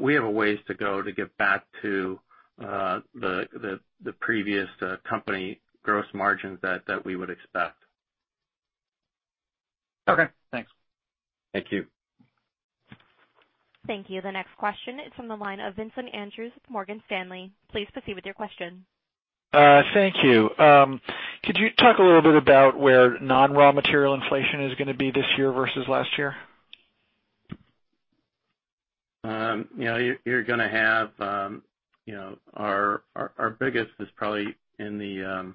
We have a ways to go to get back to the previous company gross margins that we would expect. Okay, thanks. Thank you. Thank you. The next question is from the line of Vincent Andrews with Morgan Stanley. Please proceed with your question. Thank you. Could you talk a little bit about where non-raw material inflation is going to be this year versus last year? Our biggest is probably in the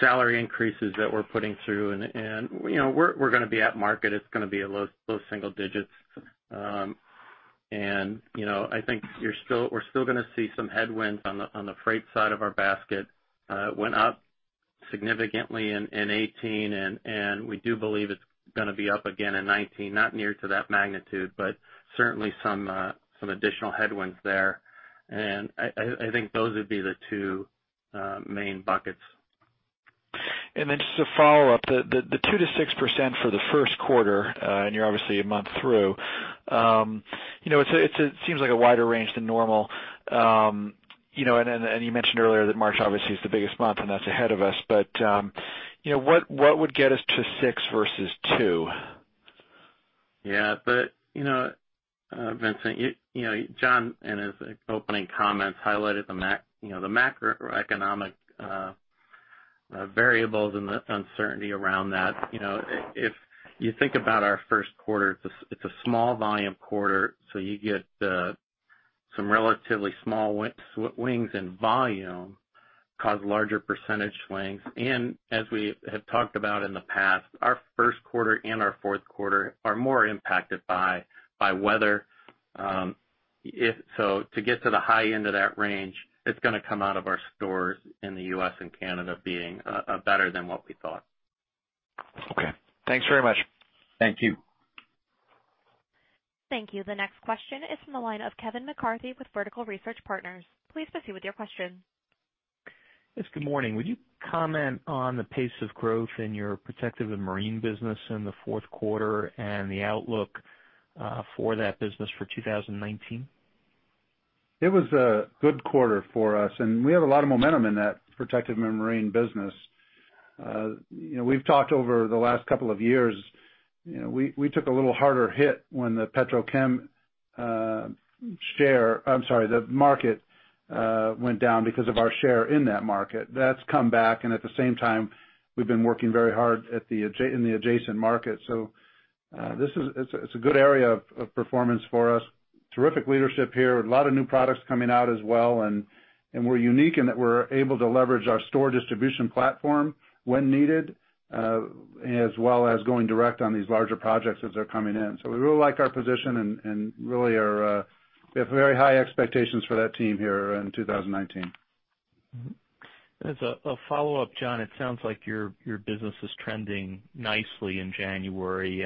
salary increases that we're putting through, and we're going to be at market. It's going to be low single digits. I think we're still going to see some headwinds on the freight side of our basket. It went up significantly in 2018, and we do believe it's going to be up again in 2019. Not near to that magnitude, but certainly some additional headwinds there. I think those would be the two main buckets. Just a follow-up. The 2%-6% for the first quarter, and you're obviously a month through. It seems like a wider range than normal, and you mentioned earlier that March obviously is the biggest month, and that's ahead of us. What would get us to six versus two? Yeah. Vincent, John in his opening comments highlighted the macroeconomic variables and the uncertainty around that. If you think about our first quarter, it's a small volume quarter, so you get some relatively small swings in volume cause larger percentage swings. As we have talked about in the past, our first quarter and our fourth quarter are more impacted by weather. To get to the high end of that range, it's going to come out of our stores in the U.S. and Canada being better than what we thought. Okay. Thanks very much. Thank you. Thank you. The next question is from the line of Kevin McCarthy with Vertical Research Partners. Please proceed with your question. Yes. Good morning. Would you comment on the pace of growth in your Protective & Marine business in the fourth quarter and the outlook for that business for 2019? It was a good quarter for us. We have a lot of momentum in that Protective & Marine business. We've talked over the last couple of years, we took a little harder hit when the market went down because of our share in that market. That's come back. At the same time, we've been working very hard in the adjacent market. It's a good area of performance for us. Terrific leadership here. A lot of new products coming out as well. We're unique in that we're able to leverage our store distribution platform when needed, as well as going direct on these larger projects as they're coming in. We really like our position. We have very high expectations for that team here in 2019. As a follow-up, John, it sounds like your business is trending nicely in January,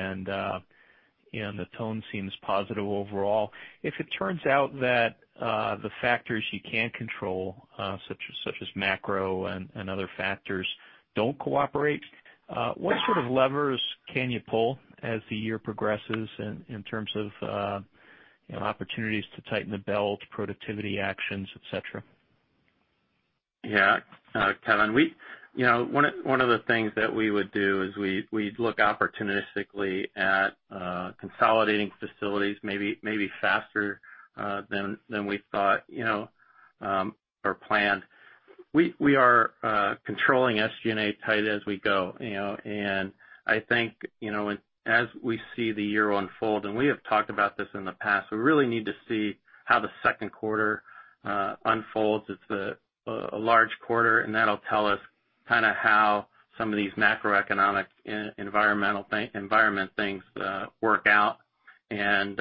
and the tone seems positive overall. If it turns out that the factors you can't control, such as macro and other factors, don't cooperate, what sort of levers can you pull as the year progresses in terms of opportunities to tighten the belt, productivity actions, et cetera? Kevin, one of the things that we would do is we'd look opportunistically at consolidating facilities maybe faster than we thought or planned. We are controlling SG&A tight as we go. I think as we see the year unfold, and we have talked about this in the past, we really need to see how the second quarter unfolds. It's a large quarter, and that'll tell us kind of how some of these macroeconomic environment things work out, and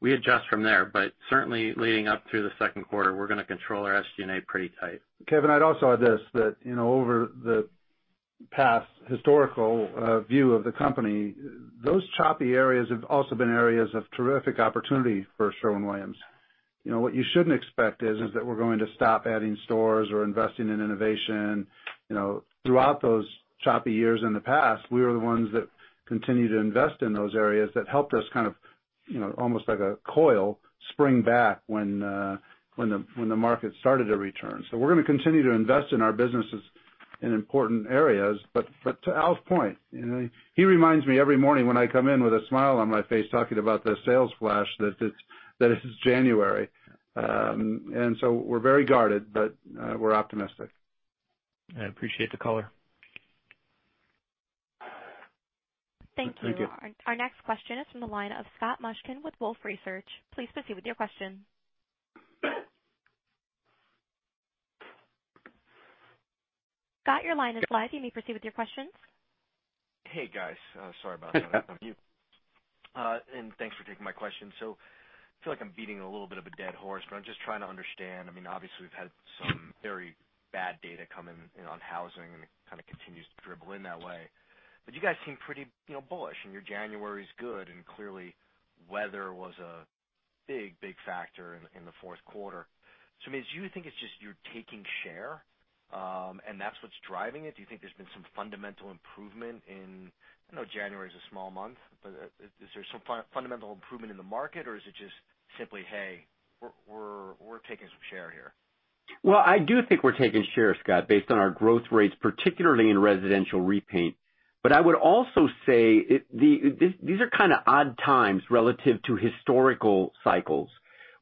we adjust from there. Certainly leading up through the second quarter, we're going to control our SG&A pretty tight. Kevin, I'd also add this, that over the past historical view of the company, those choppy areas have also been areas of terrific opportunity for Sherwin-Williams. What you shouldn't expect is that we're going to stop adding stores or investing in innovation. Throughout those choppy years in the past, we were the ones that continued to invest in those areas that helped us kind of almost like a coil spring back when the market started to return. We're going to continue to invest in our businesses in important areas. To Al's point, he reminds me every morning when I come in with a smile on my face talking about the sales flash, that it's January. We're very guarded, but we're optimistic. I appreciate the color. Thank you. Thank you. Our next question is from the line of Scott Mushkin with Wolfe Research. Please proceed with your question. Scott, your line is live. You may proceed with your questions. Hey, guys. Sorry about that. Thanks for taking my question. I feel like I'm beating a little bit of a dead horse, but I'm just trying to understand. Obviously, we've had some very bad data come in on housing, and it kind of continues to dribble in that way. You guys seem pretty bullish, and your January's good, and clearly weather was a big factor in the fourth quarter. I mean, do you think it's just you taking share, and that's what's driving it? Do you think there's been some fundamental improvement in, I know January's a small month, but is there some fundamental improvement in the market, or is it just simply, "Hey, we're taking some share here? I do think we're taking shares, Scott, based on our growth rates, particularly in residential repaint. I would also say these are kind of odd times relative to historical cycles.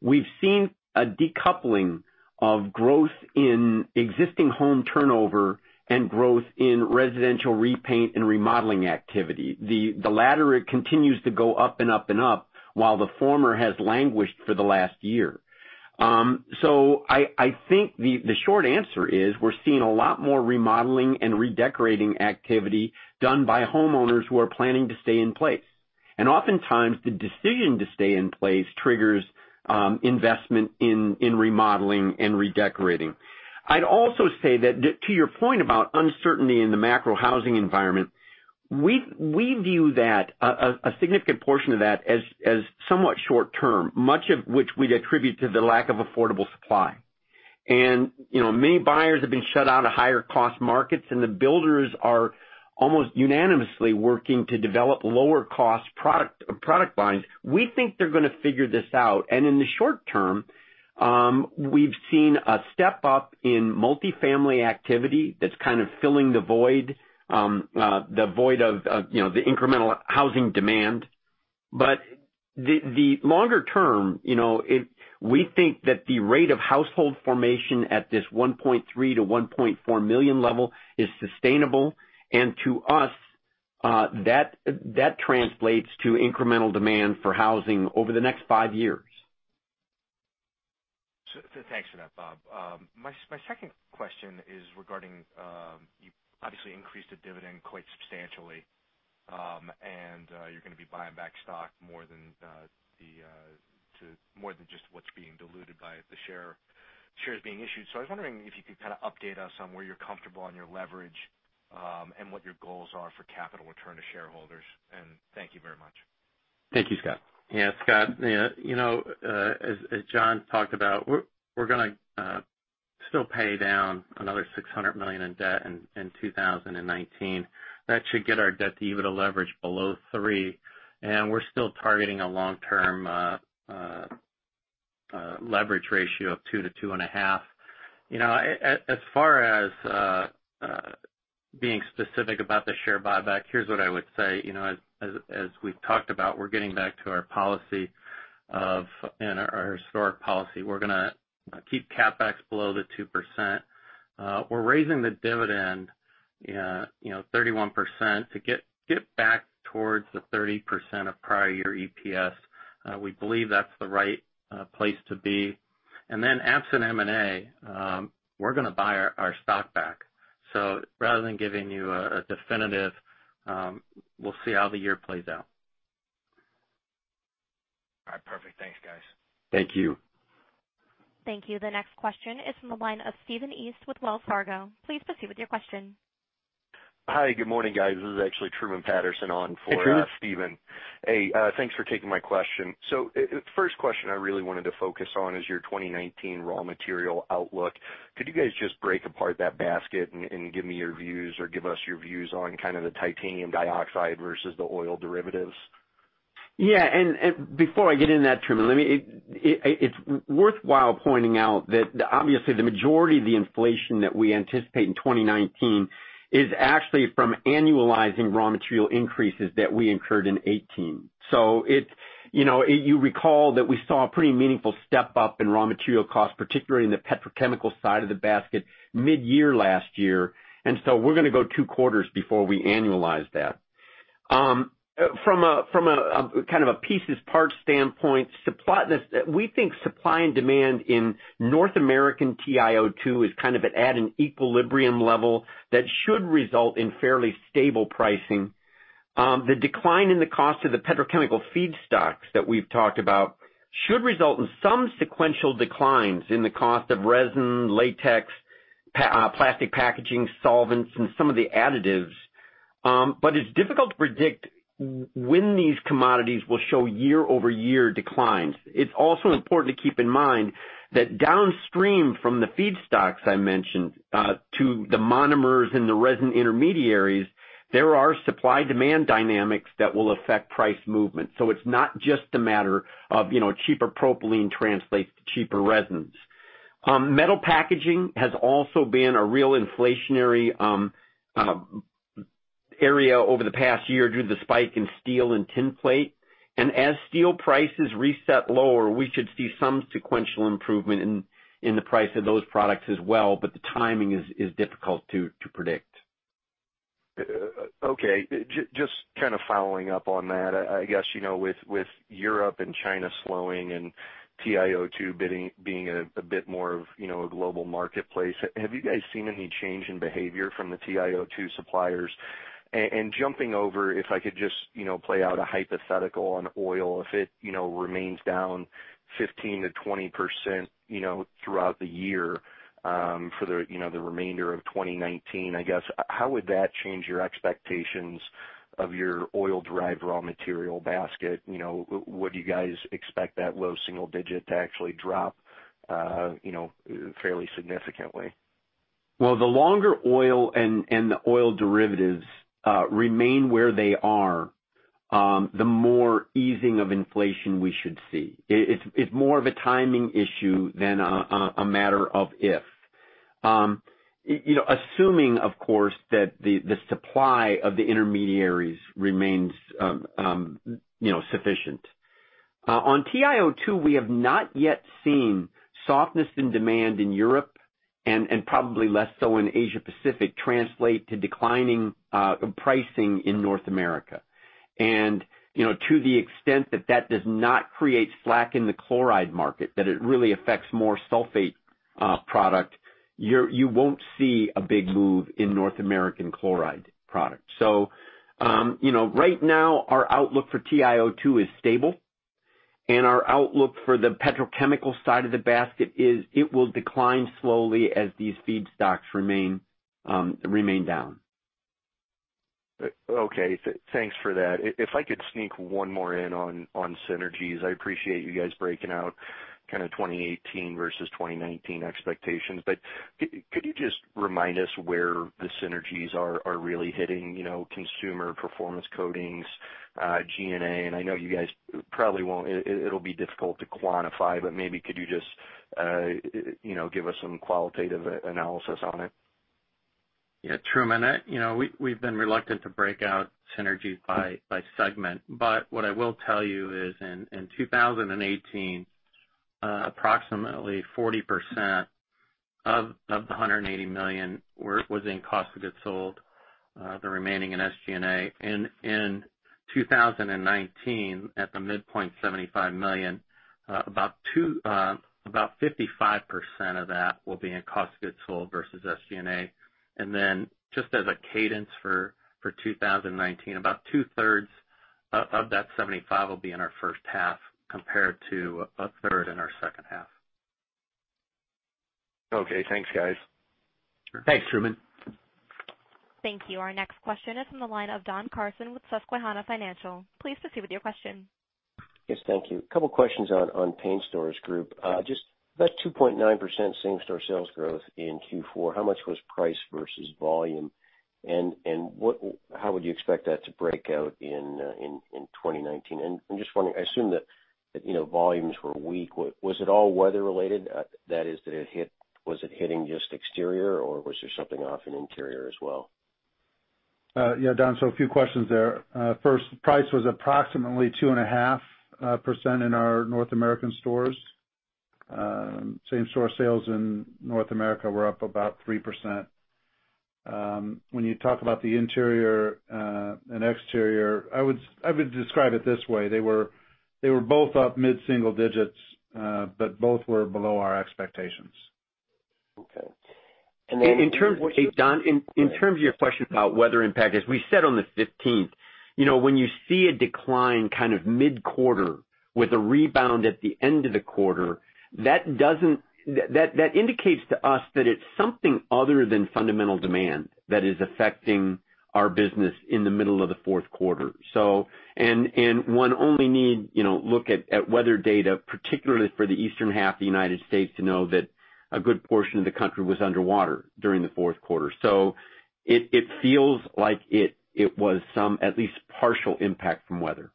We've seen a decoupling of growth in existing home turnover and growth in residential repaint and remodeling activity. The latter continues to go up and up, while the former has languished for the last year. I think the short answer is we're seeing a lot more remodeling and redecorating activity done by homeowners who are planning to stay in place. Oftentimes, the decision to stay in place triggers investment in remodeling and redecorating. I'd also say that to your point about uncertainty in the macro housing environment, we view a significant portion of that as somewhat short-term, much of which we'd attribute to the lack of affordable supply. Many buyers have been shut out of higher cost markets, and the builders are almost unanimously working to develop lower cost product lines. We think they're going to figure this out. In the short term, we've seen a step up in multifamily activity that's kind of filling the void of the incremental housing demand. The longer term, we think that the rate of household formation at this 1.3 million-1.4 million level is sustainable. To us, that translates to incremental demand for housing over the next five years. Thanks for that, Bob. My second question is regarding, you obviously increased the dividend quite substantially. You're going to be buying back stock more than just what's being diluted by the shares being issued. I was wondering if you could kind of update us on where you're comfortable on your leverage, and what your goals are for capital return to shareholders, and thank you very much. Thank you, Scott. Yeah, Scott, as John talked about, we're going to. Still pay down another $600 million in debt in 2019. That should get our debt-to-EBITDA leverage below 3x, and we're still targeting a long-term leverage ratio of 2x-2.5x. As far as being specific about the share buyback, here's what I would say. As we've talked about, we're getting back to our policy of and our historic policy. We're going to keep CapEx below the 2%. We're raising the dividend 31% to get back towards the 30% of prior year EPS. We believe that's the right place to be. Absent M&A, we're going to buy our stock back. Rather than giving you a definitive, we'll see how the year plays out. All right. Perfect. Thanks, guys. Thank you. Thank you. The next question is from the line of Stephen East with Wells Fargo. Please proceed with your question. Hi, good morning, guys. This is actually Truman Patterson on. Hey, Truman. Stephen. Hey, thanks for taking my question. The first question I really wanted to focus on is your 2019 raw material outlook. Could you guys just break apart that basket and give me your views, or give us your views on kind of the titanium dioxide versus the oil derivatives? Yeah. Before I get into that, Truman, it's worthwhile pointing out that obviously the majority of the inflation that we anticipate in 2019 is actually from annualizing raw material increases that we incurred in 2018. You recall that we saw a pretty meaningful step-up in raw material costs, particularly in the petrochemical side of the basket mid-year last year, and so we're going to go two quarters before we annualize that. From a kind of a pieces part standpoint, we think supply and demand in North American TiO2 is kind of at an equilibrium level that should result in fairly stable pricing. The decline in the cost of the petrochemical feedstocks that we've talked about should result in some sequential declines in the cost of resin, latex, plastic packaging, solvents, and some of the additives. It's difficult to predict when these commodities will show year-over-year declines. It's also important to keep in mind that downstream from the feedstocks I mentioned, to the monomers and the resin intermediaries, there are supply-demand dynamics that will affect price movement. It's not just a matter of cheaper propylene translates to cheaper resins. Metal packaging has also been a real inflationary area over the past year due to the spike in steel and tin plate. As steel prices reset lower, we should see some sequential improvement in the price of those products as well, but the timing is difficult to predict. Okay. Just kind of following up on that. I guess, with Europe and China slowing and TiO2 being a bit more of a global marketplace, have you guys seen any change in behavior from the TiO2 suppliers? Jumping over, if I could just play out a hypothetical on oil, if it remains down 15%-20% throughout the year for the remainder of 2019, I guess, how would that change your expectations of your oil-derived raw material basket? Would you guys expect that low single digit to actually drop fairly significantly? Well, the longer oil and the oil derivatives remain where they are, the more easing of inflation we should see. It's more of a timing issue than a matter of if. Assuming, of course, that the supply of the intermediaries remains sufficient. On TiO2, we have not yet seen softness in demand in Europe, and probably less so in Asia Pacific, translate to declining pricing in North America. To the extent that that does not create slack in the chloride market, that it really affects more sulfate product, you won't see a big move in North American chloride product. Right now, our outlook for TiO2 is stable, and our outlook for the petrochemical side of the basket is it will decline slowly as these feedstocks remain down. Okay. Thanks for that. If I could sneak one more in on synergies. I appreciate you guys breaking out kind of 2018 versus 2019 expectations. Could you just remind us where the synergies are really hitting? Consumer, Performance Coatings, G&A. I know you guys probably won't. It'll be difficult to quantify, maybe could you just give us some qualitative analysis on it? Yeah, Truman, we've been reluctant to break out synergies by segment. What I will tell you is in 2018, approximately 40% of the $180 million was in cost of goods sold, the remaining in SG&A. In 2019, at the midpoint, $75 million, about 55% of that will be in cost of goods sold versus SG&A. Just as a cadence for 2019, about 2/3 of that 75 will be in our first half compared to 1/3 in our second half. Okay. Thanks, guys. Sure. Thanks, Truman. Thank you. Our next question is on the line of Don Carson with Susquehanna Financial. Please proceed with your question. Yes, thank you. Couple questions on paint stores group. Just that 2.9% same-store sales growth in Q4, how much was price versus volume? How would you expect that to break out in 2019? I assume that volumes were weak. Was it all weather-related? That is, was it hitting just exterior, or was there something off in interior as well? Yeah, Don, a few questions there. First, price was approximately 2.5% in our North American stores. Same-store sales in North America were up about 3%. When you talk about the interior and exterior, I would describe it this way. They were both up mid-single digits, but both were below our expectations. Okay. Don, in terms of your question about weather impact, as we said on the 15th, when you see a decline kind of mid-quarter with a rebound at the end of the quarter, that indicates to us that it's something other than fundamental demand that is affecting our business in the middle of the fourth quarter. One only need look at weather data, particularly for the eastern half of the U.S., to know that a good portion of the country was underwater during the fourth quarter. It feels like it was some at least partial impact from weather.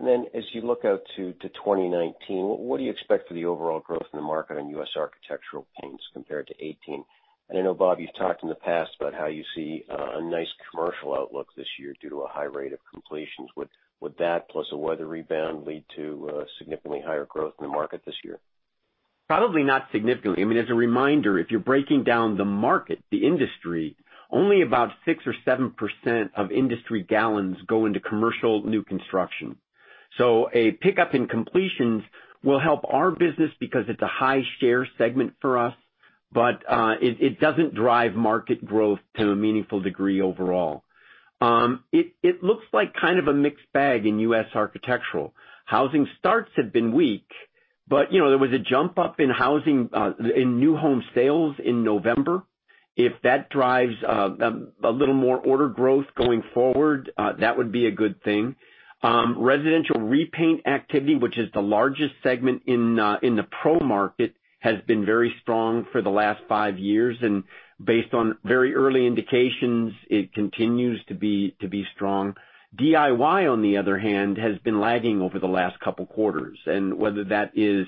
As you look out to 2019, what do you expect for the overall growth in the market on U.S. architectural paints compared to 2018? I know, Bob, you've talked in the past about how you see a nice commercial outlook this year due to a high rate of completions. Would that, plus a weather rebound, lead to significantly higher growth in the market this year? Probably not significantly. As a reminder, if you're breaking down the market, the industry, only about 6% or 7% of industry gallons go into commercial new construction. A pickup in completions will help our business because it's a high-share segment for us, but it doesn't drive market growth to a meaningful degree overall. It looks like kind of a mixed bag in U.S. architectural. Housing starts have been weak, but there was a jump up in new home sales in November. If that drives a little more order growth going forward, that would be a good thing. Residential repaint activity, which is the largest segment in the pro market, has been very strong for the last five years, and based on very early indications, it continues to be strong. DIY, on the other hand, has been lagging over the last couple of quarters, and whether that is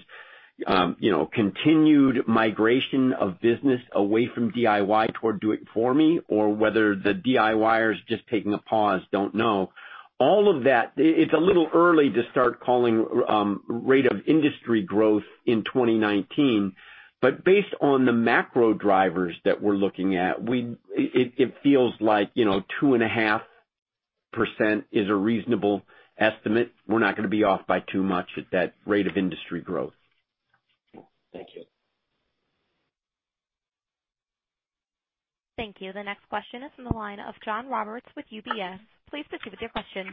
continued migration of business away from DIY toward do it for me, or whether the DIYer is just taking a pause, don't know. All of that, it's a little early to start calling rate of industry growth in 2019, but based on the macro drivers that we're looking at, it feels like 2.5% is a reasonable estimate. We're not going to be off by too much at that rate of industry growth. Thank you. Thank you. The next question is on the line of John Roberts with UBS. Please proceed with your question.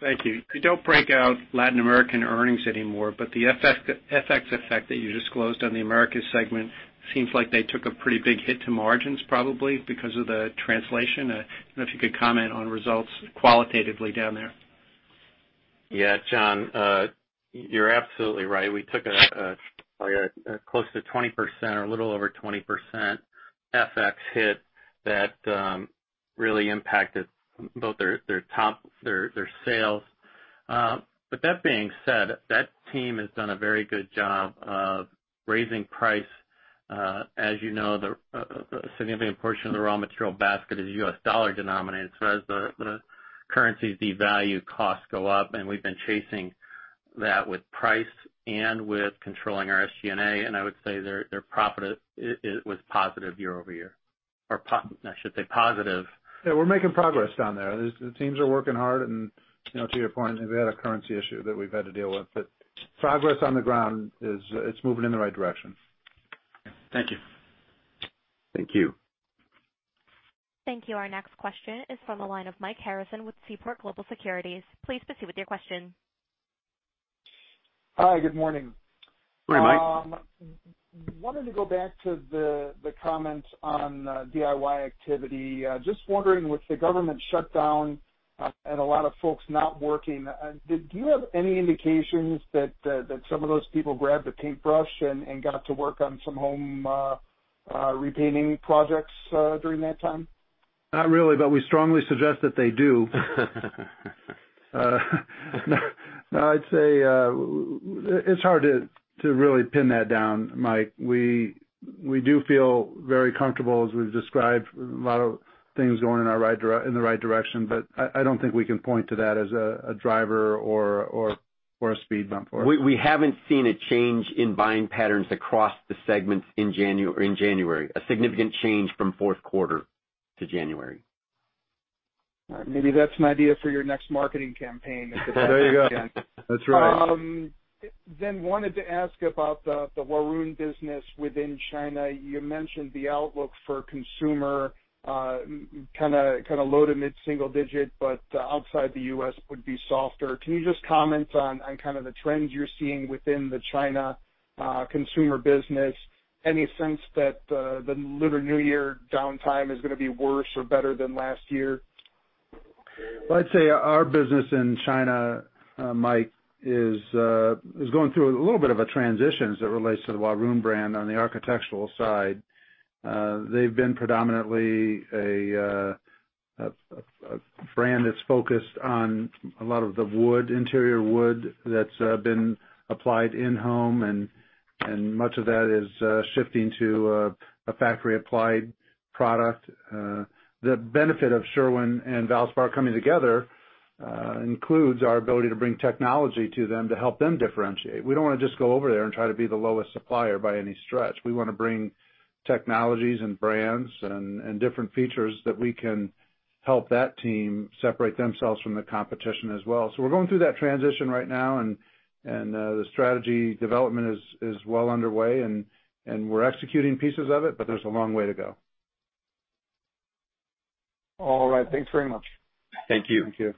Thank you. You don't break out Latin American earnings anymore, but the FX effect that you disclosed on the Americas segment seems like they took a pretty big hit to margins, probably because of the translation. I don't know if you could comment on results qualitatively down there. Yeah, John, you're absolutely right. We took a close to 20% or a little over 20% FX hit that really impacted both their sales. That being said, that team has done a very good job of raising price. As you know, a significant portion of the raw material basket is US dollar denominated, so as the currencies devalue, costs go up, and we've been chasing that with price and with controlling our SG&A, and I would say their profit was positive year-over-year. I should say positive. Yeah, we're making progress down there. The teams are working hard and, to your point, we've had a currency issue that we've had to deal with, but progress on the ground, it's moving in the right direction. Thank you. Thank you. Thank you. Our next question is from the line of Mike Harrison with Seaport Global Securities. Please proceed with your question. Hi, good morning. Good morning, Mike. Wanted to go back to the comment on DIY activity. Just wondering, with the government shutdown and a lot of folks not working, do you have any indications that some of those people grabbed a paintbrush and got to work on some home repainting projects during that time? Not really, but we strongly suggest that they do. I'd say it's hard to really pin that down, Mike. We do feel very comfortable, as we've described, a lot of things going in the right direction, but I don't think we can point to that as a driver or a speed bump for us. We haven't seen a change in buying patterns across the segments in January, a significant change from fourth quarter to January. All right. Maybe that's an idea for your next marketing campaign. There you go. That's right. Wanted to ask about the Huarun business within China. You mentioned the outlook for consumer kind of low to mid-single digit, but outside the U.S. would be softer. Can you just comment on kind of the trends you're seeing within the China consumer business? Any sense that the Lunar New Year downtime is going to be worse or better than last year? Well, I'd say our business in China, Mike, is going through a little bit of a transition as it relates to the Valspar brand on the architectural side. They've been predominantly a brand that's focused on a lot of the interior wood that's been applied in-home, and much of that is shifting to a factory applied product. The benefit of Sherwin and Valspar coming together includes our ability to bring technology to them to help them differentiate. We don't want to just go over there and try to be the lowest supplier by any stretch. We want to bring technologies and brands and different features that we can help that team separate themselves from the competition as well. We're going through that transition right now, and the strategy development is well underway, and we're executing pieces of it, but there's a long way to go. All right. Thanks very much. Thank you. Thank you.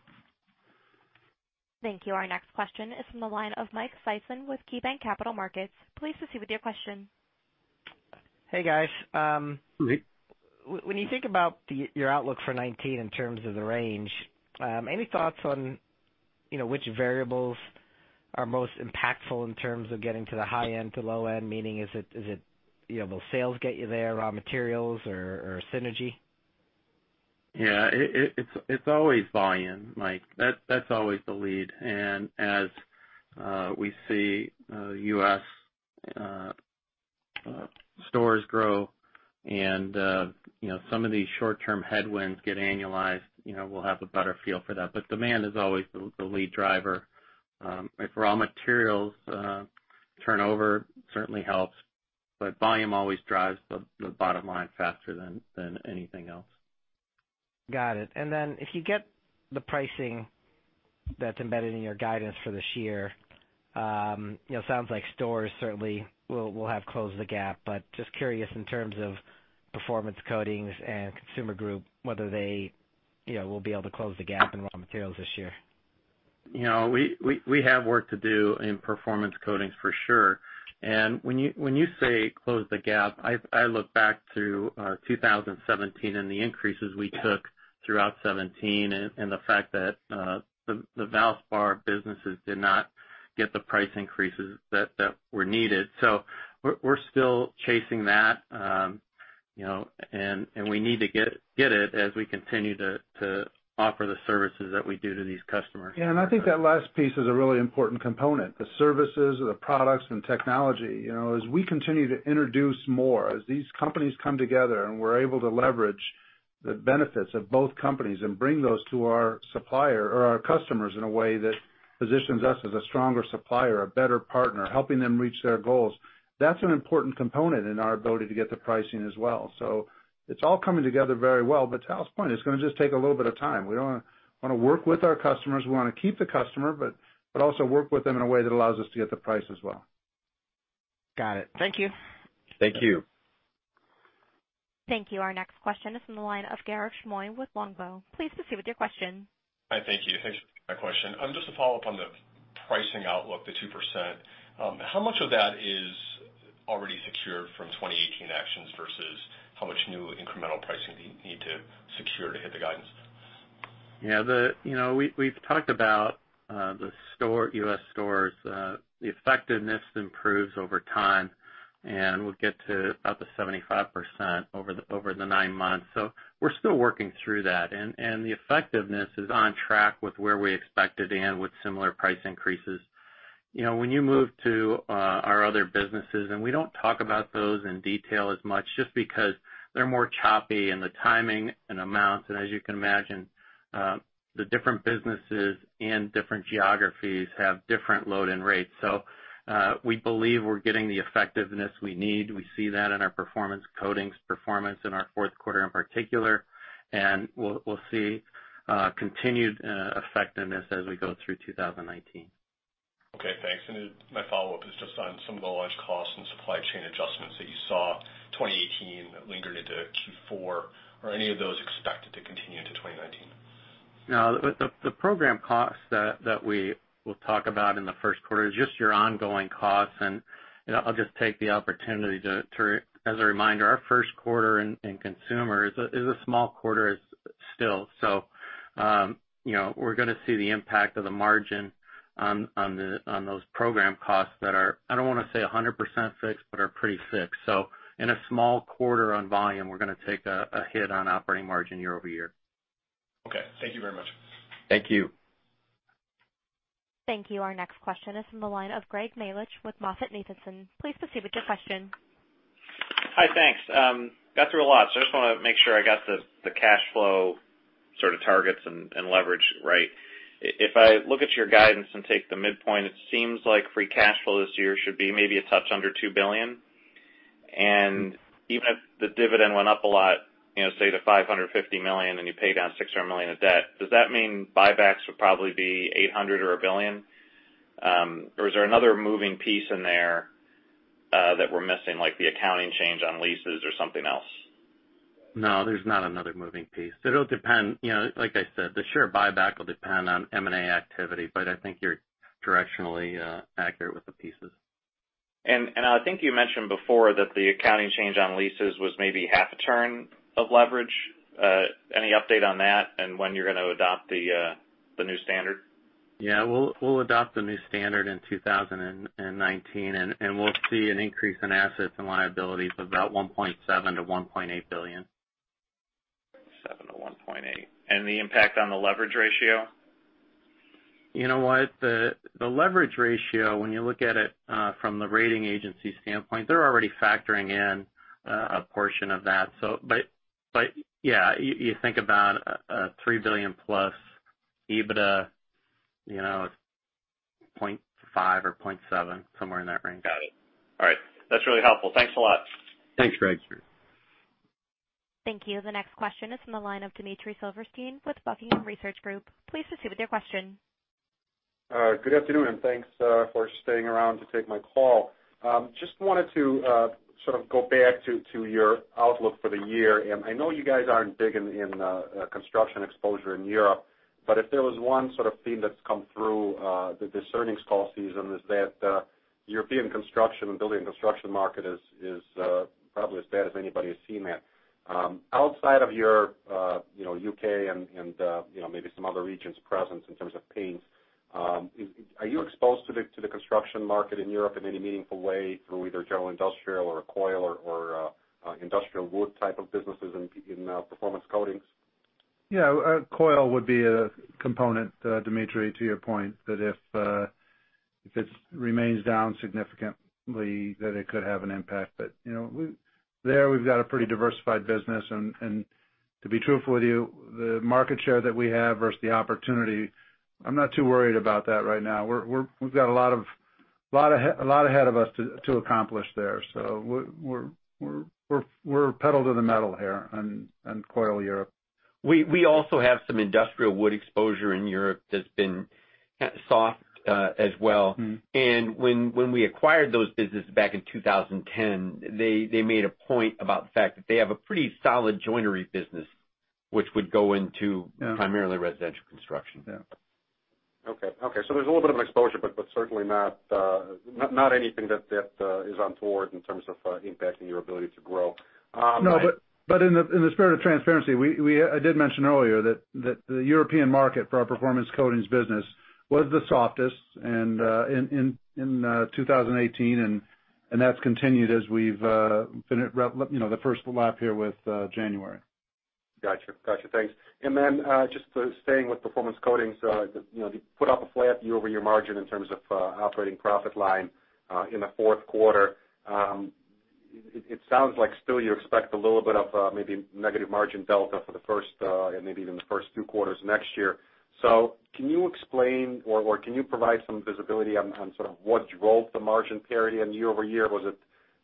Thank you. Our next question is from the line of Mike Sison with KeyBanc Capital Markets. Please proceed with your question. Hey, guys. Hi. When you think about your outlook for 2019 in terms of the range, any thoughts on which variables are most impactful in terms of getting to the high end to low end? Meaning, will sales get you there, raw materials or synergy? Yeah. It's always volume, Mike. That's always the lead. As we see U.S. stores grow and some of these short term headwinds get annualized, we'll have a better feel for that. Demand is always the lead driver. If raw materials turnover certainly helps, but volume always drives the bottom line faster than anything else. Got it. If you get the pricing that's embedded in your guidance for this year, sounds like stores certainly will have closed the gap, but just curious in terms of Performance Coatings and Consumer Group, whether they will be able to close the gap in raw materials this year. We have work to do in Performance Coatings for sure. When you say close the gap, I look back to 2017 and the increases we took throughout 2017, and the fact that the Valspar businesses did not get the price increases that were needed. We're still chasing that, and we need to get it as we continue to offer the services that we do to these customers. I think that last piece is a really important component. The services, the products, and technology. As we continue to introduce more, as these companies come together and we're able to leverage the benefits of both companies and bring those to our supplier or our customers in a way that positions us as a stronger supplier, a better partner, helping them reach their goals, that's an important component in our ability to get the pricing as well. It's all coming together very well, but to Al's point, it's going to just take a little bit of time. We want to work with our customers. We want to keep the customer, but also work with them in a way that allows us to get the price as well. Got it. Thank you. Thank you. Thank you. Our next question is from the line of Garik Shmois with Longbow. Please proceed with your question. Hi. Thank you. Thanks for taking my question. Just to follow up on the pricing outlook, the 2%, how much of that is already secured from 2018 actions versus how much new incremental pricing do you need to secure to hit the guidance? We've talked about the U.S. stores. The effectiveness improves over time, and we'll get to about the 75% over the nine months. We're still working through that, and the effectiveness is on track with where we expected and with similar price increases. When you move to our other businesses, and we don't talk about those in detail as much just because they're more choppy in the timing and amounts, and as you can imagine, the different businesses and different geographies have different load and rates. We believe we're getting the effectiveness we need. We see that in our Performance Coatings performance in our fourth quarter in particular, and we'll see continued effectiveness as we go through 2019. Okay, thanks. My follow-up is just on some of the large costs and supply chain adjustments that you saw 2018 that lingered into Q4. Are any of those expected to continue into 2019? No. The program costs that we will talk about in the first quarter is just your ongoing costs, and I'll just take the opportunity to, as a reminder, our first quarter in Consumer is a small quarter still. We're going to see the impact of the margin on those program costs that are, I don't want to say 100% fixed, but are pretty fixed. In a small quarter on volume, we're going to take a hit on operating margin year-over-year. Okay. Thank you very much. Thank you. Thank you. Our next question is from the line of Greg Melich with MoffettNathanson. Please proceed with your question. Hi. Thanks. Got through a lot, so I just want to make sure I got the cash flow sort of targets and leverage right. If I look at your guidance and take the midpoint, it seems like free cash flow this year should be maybe a touch under $2 billion. Even if the dividend went up a lot, say to $550 million, and you pay down $600 million of debt, does that mean buybacks would probably be $800 million or $1 billion? Is there another moving piece in there that we're missing, like the accounting change on leases or something else? No, there's not another moving piece. It'll depend. Like I said, the share buyback will depend on M&A activity, but I think you're directionally accurate with the pieces. I think you mentioned before that the accounting change on leases was maybe half a turn of leverage. Any update on that and when you're going to adopt the new standard? Yeah. We'll adopt the new standard in 2019. We'll see an increase in assets and liabilities of about $1.7 billion-$1.8 billion. $1.7-$1.8. The impact on the leverage ratio? You know what? The leverage ratio, when you look at it from the rating agency standpoint, they're already factoring in a portion of that. Yeah, you think about a $3 billion plus EBITDA, 0.5x or 0.7x, somewhere in that range. Got it. All right. That's really helpful. Thanks a lot. Thanks, Greg. Thank you. The next question is from the line of Dmitry Silversteyn with Buckingham Research Group. Please proceed with your question. Good afternoon. Thanks for staying around to take my call. Just wanted to sort of go back to your outlook for the year. I know you guys aren't big in construction exposure in Europe, but if there was one sort of theme that's come through this earnings call season is that European construction and building construction market is probably as bad as anybody has seen it. Outside of your U.K. and maybe some other regions presence in terms of paints, are you exposed to the construction market in Europe in any meaningful way through either general industrial or coil or industrial wood type of businesses in Performance Coatings? Yeah. Coil would be a component, Dmitry, to your point, that if it remains down significantly, that it could have an impact. There, we've got a pretty diversified business. To be truthful with you, the market share that we have versus the opportunity, I'm not too worried about that right now. We've got a lot ahead of us to accomplish there. We're pedal to the metal here on Coil Europe. We also have some industrial wood exposure in Europe that's been soft as well. When we acquired those businesses back in 2010, they made a point about the fact that they have a pretty solid joinery business, which would go into. Primarily residential construction. Yeah. Okay. There's a little bit of an exposure, but certainly not anything that is untoward in terms of impacting your ability to grow. In the spirit of transparency, I did mention earlier that the European market for our Performance Coatings business was the softest in 2018, and that's continued as we've finished the first lap here with January. Got you. Thanks. Just staying with Performance Coatings, they put up a flat year-over-year margin in terms of operating profit line in the fourth quarter. It sounds like still you expect a little bit of maybe negative margin delta for the first and maybe even the first two quarters next year. Can you explain or can you provide some visibility on sort of what drove the margin parity on year-over-year? Was it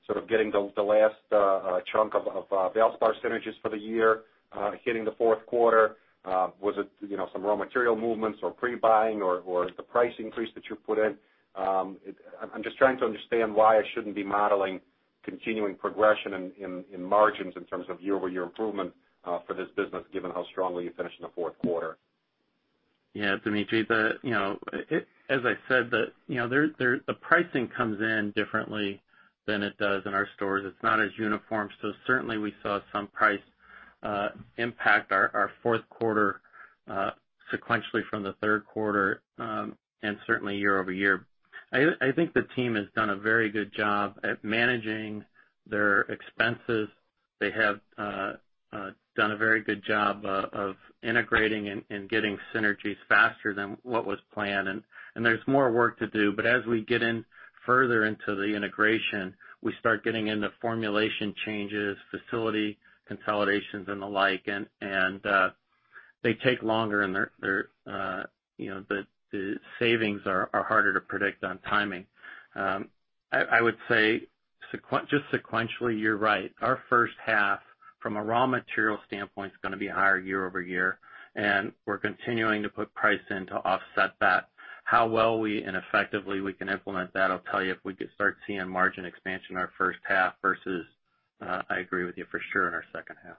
sort of getting the last chunk of Valspar synergies for the year hitting the fourth quarter? Was it some raw material movements or pre-buying, or is the price increase that you put in? I'm just trying to understand why I shouldn't be modeling continuing progression in margins in terms of year-over-year improvement for this business, given how strongly you finished in the fourth quarter. Yeah. Dmitry, as I said, the pricing comes in differently than it does in our stores. It's not as uniform. Certainly, we saw some price impact our fourth quarter sequentially from the third quarter, and certainly year-over-year. I think the team has done a very good job at managing their expenses. They have done a very good job of integrating and getting synergies faster than what was planned, and there's more work to do. As we get in further into the integration, we start getting into formulation changes, facility consolidations, and the like, and they take longer, and the savings are harder to predict on timing. I would say just sequentially, you're right. Our first half from a raw material standpoint is going to be higher year-over-year, and we're continuing to put price in to offset that. How well we and effectively we can implement that will tell you if we could start seeing margin expansion our first half versus, I agree with you for sure, in our second half.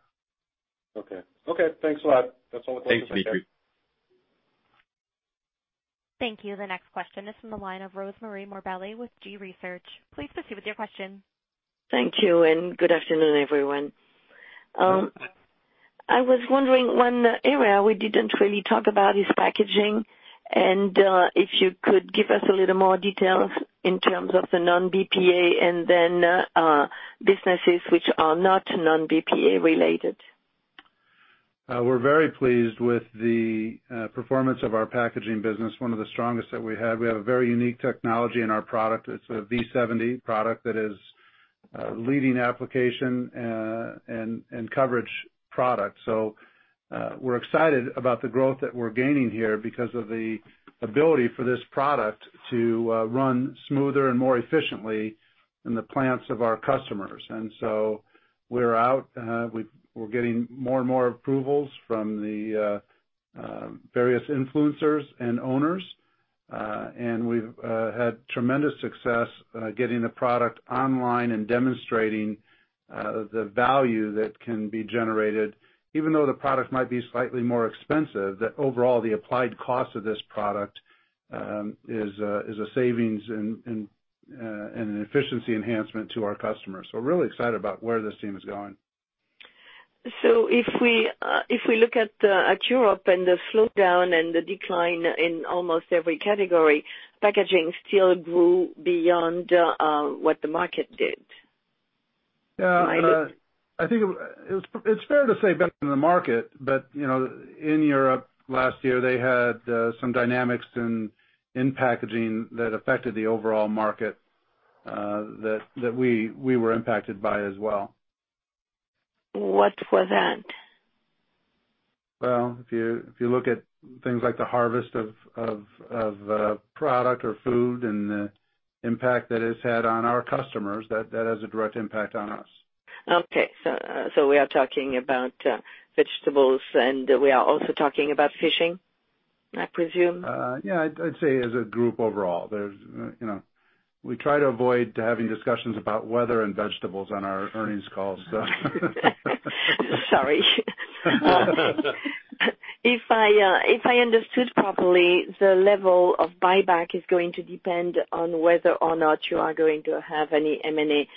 Okay. Thanks a lot. That's all the questions I have. Thanks, Dmitry. Thank you. The next question is from the line of Rosemarie Morbelli with G.research. Please proceed with your question. Thank you. Good afternoon, everyone. I was wondering, one area we didn't really talk about is packaging, and if you could give us a little more detail in terms of the non-BPA and then businesses which are not non-BPA related. We're very pleased with the performance of our packaging business, one of the strongest that we have. We have a very unique technology in our product. It's a valPure V70 product that is leading application and coverage product. We're excited about the growth that we're gaining here because of the ability for this product to run smoother and more efficiently in the plants of our customers. We're out. We're getting more and more approvals from the various influencers and owners. We've had tremendous success getting the product online and demonstrating the value that can be generated. Even though the product might be slightly more expensive, that overall the applied cost of this product is a savings and an efficiency enhancement to our customers. We're really excited about where this team is going. If we look at Europe and the slowdown and the decline in almost every category, packaging still grew beyond what the market did. Yeah. Am I listening? I think it's fair to say better than the market, in Europe last year, they had some dynamics in packaging that affected the overall market, that we were impacted by as well. What was that? Well, if you look at things like the harvest of a product or food and the impact that it's had on our customers, that has a direct impact on us. Okay. We are talking about vegetables, and we are also talking about fishing, I presume? Yeah. I'd say as a group overall. We try to avoid having discussions about weather and vegetables on our earnings calls. Sorry. If I understood properly, the level of buyback is going to depend on whether or not you are going to have any M&A.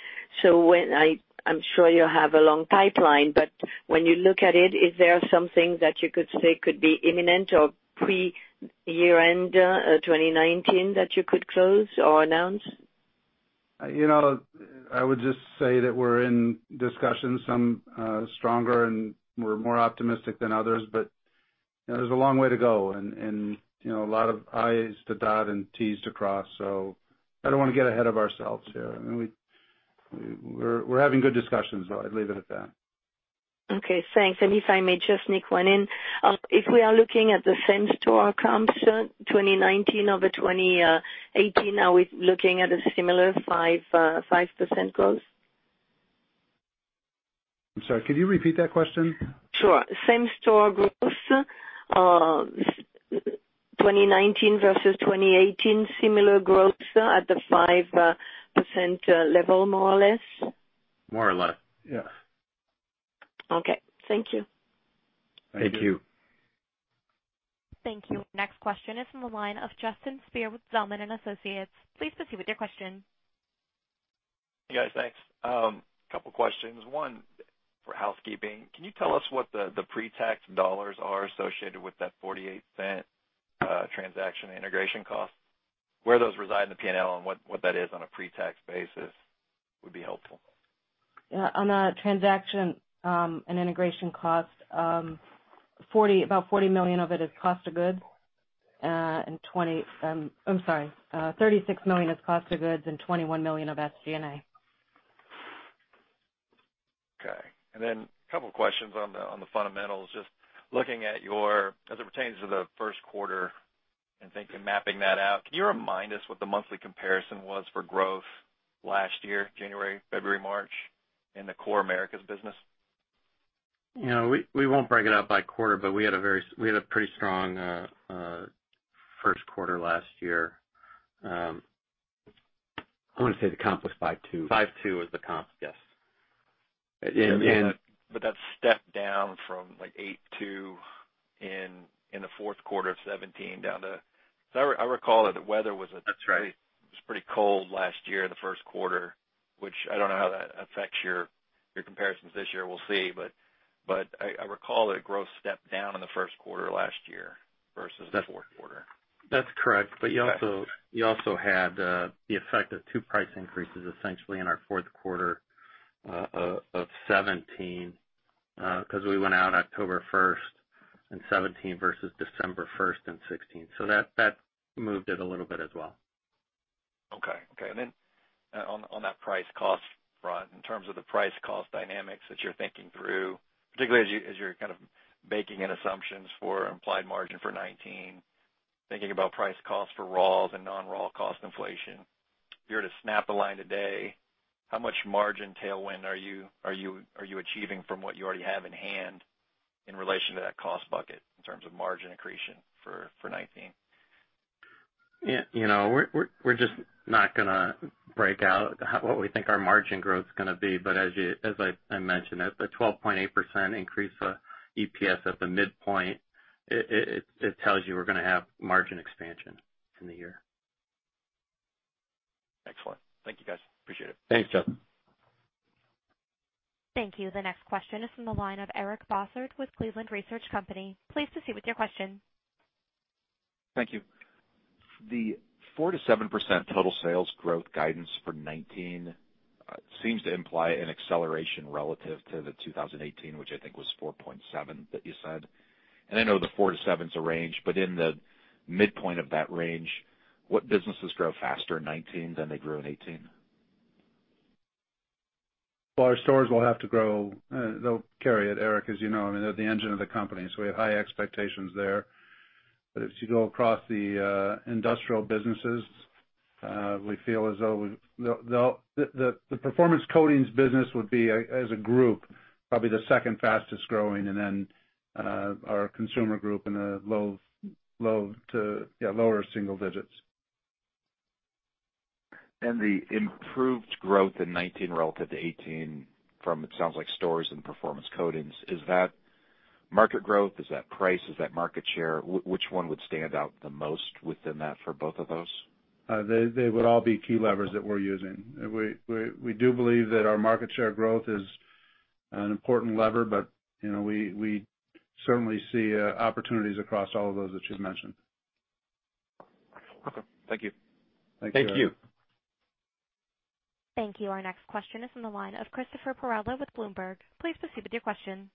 I'm sure you have a long pipeline, but when you look at it, is there something that you could say could be imminent or pre-year-end 2019 that you could close or announce? I would just say that we're in discussions, some stronger and more optimistic than others. There's a long way to go, and a lot of I's to dot and T's to cross, so I don't want to get ahead of ourselves here. We're having good discussions, though. I'd leave it at that. Okay, thanks. If I may just nick one in. If we are looking at the same store comps, 2019 over 2018, are we looking at a similar 5% growth? I'm sorry, could you repeat that question? Sure. Same-store growth, 2019 versus 2018, similar growth at the 5% level, more or less? More or less, yeah. Okay. Thank you. Thank you. Thank you. Next question is from the line of Justin Speer with Zelman & Associates. Please proceed with your question. Hey, guys, thanks. Couple questions. One, for housekeeping. Can you tell us what the pre-tax dollars are associated with that $0.48 transaction integration cost? Where those reside in the P&L and what that is on a pre-tax basis would be helpful. On the transaction and integration cost, about $36 million is cost of goods and 21 million of SG&A. A couple questions on the fundamentals. Just looking at your, as it pertains to the first quarter and thinking mapping that out, can you remind us what the monthly comparison was for growth last year, January, February, March, in the core Americas Group? We won't break it out by quarter, we had a pretty strong first quarter last year. I want to say the comp was 5.2. 5.2 was the comp, yes. That stepped down from 8.2 in the fourth quarter of 2017 down to. That's right It was pretty cold last year in the first quarter, which I don't know how that affects your comparisons this year. We'll see, but I recall that growth stepped down in the first quarter last year versus the fourth quarter. That's correct. You also had the effect of two price increases essentially in our fourth quarter of 2017, because we went out October 1st in 2017 versus December 1st in 2016. That moved it a little bit as well. Okay. On that price cost front, in terms of the price cost dynamics that you're thinking through, particularly as you're kind of baking in assumptions for implied margin for 2019, thinking about price cost for raws and non-raw cost inflation, if you were to snap a line today, how much margin tailwind are you achieving from what you already have in hand in relation to that cost bucket in terms of margin accretion for 2019? We're just not going to break out what we think our margin growth's going to be, but as I mentioned, the 12.8% increase of EPS at the midpoint, it tells you we're going to have margin expansion in the year. Excellent. Thank you guys. Appreciate it. Thanks, Justin. Thank you. The next question is from the line of Eric Bosshard with Cleveland Research Company. Please proceed with your question. Thank you. The 4%-7% total sales growth guidance for 2019 seems to imply an acceleration relative to the 2018, which I think was 4.7% that you said. I know the 4%-7%'s a range, but in the midpoint of that range, what businesses grow faster in 2019 than they grew in 2018? Well, our stores will have to grow. They'll carry it, Eric, as you know. They're the engine of the company, we have high expectations there. As you go across the industrial businesses, we feel as though the Performance Coatings business would be, as a group, probably the second fastest growing, then our Consumer Group in the lower single digits. The improved growth in 2019 relative to 2018 from, it sounds like, stores and Performance Coatings, is that market growth? Is that price? Is that market share? Which one would stand out the most within that for both of those? They would all be key levers that we're using. We do believe that our market share growth is an important lever, but we certainly see opportunities across all of those that you've mentioned. Okay. Thank you. Thanks, Eric. Thank you. Thank you. Our next question is on the line of Christopher Perrella with Bloomberg. Please proceed with your question.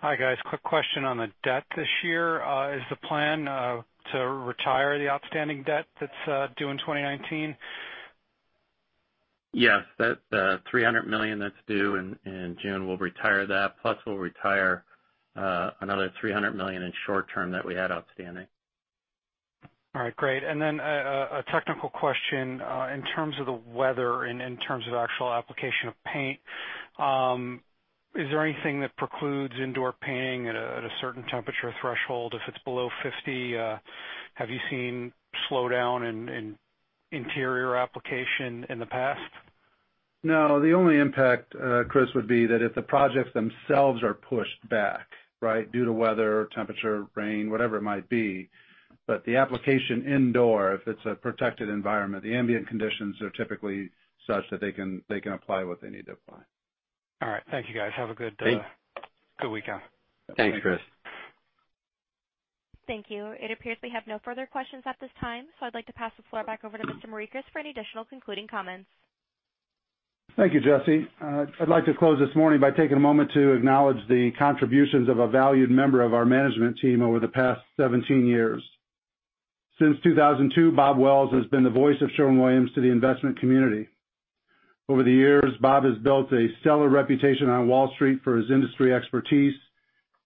Hi, guys. Quick question on the debt this year. Is the plan to retire the outstanding debt that's due in 2019? Yes. That $300 million that's due in June, we'll retire that, plus we'll retire another $300 million in short-term that we had outstanding. All right, great. A technical question. In terms of the weather and in terms of actual application of paint, is there anything that precludes indoor painting at a certain temperature threshold if it's below 50? Have you seen slowdown in interior application in the past? No. The only impact, Chris, would be that if the projects themselves are pushed back, right, due to weather, temperature, rain, whatever it might be. The application indoor, if it's a protected environment, the ambient conditions are typically such that they can apply what they need to apply. All right. Thank you, guys. Have a good- Thanks. -good weekend. Thanks, Chris. Thank you. It appears we have no further questions at this time, so I'd like to pass the floor back over to Mr. Morikis for any additional concluding comments. Thank you, Jesse. I'd like to close this morning by taking a moment to acknowledge the contributions of a valued member of our management team over the past 17 years. Since 2002, Bob Wells has been the voice of Sherwin-Williams to the investment community. Over the years, Bob has built a stellar reputation on Wall Street for his industry expertise,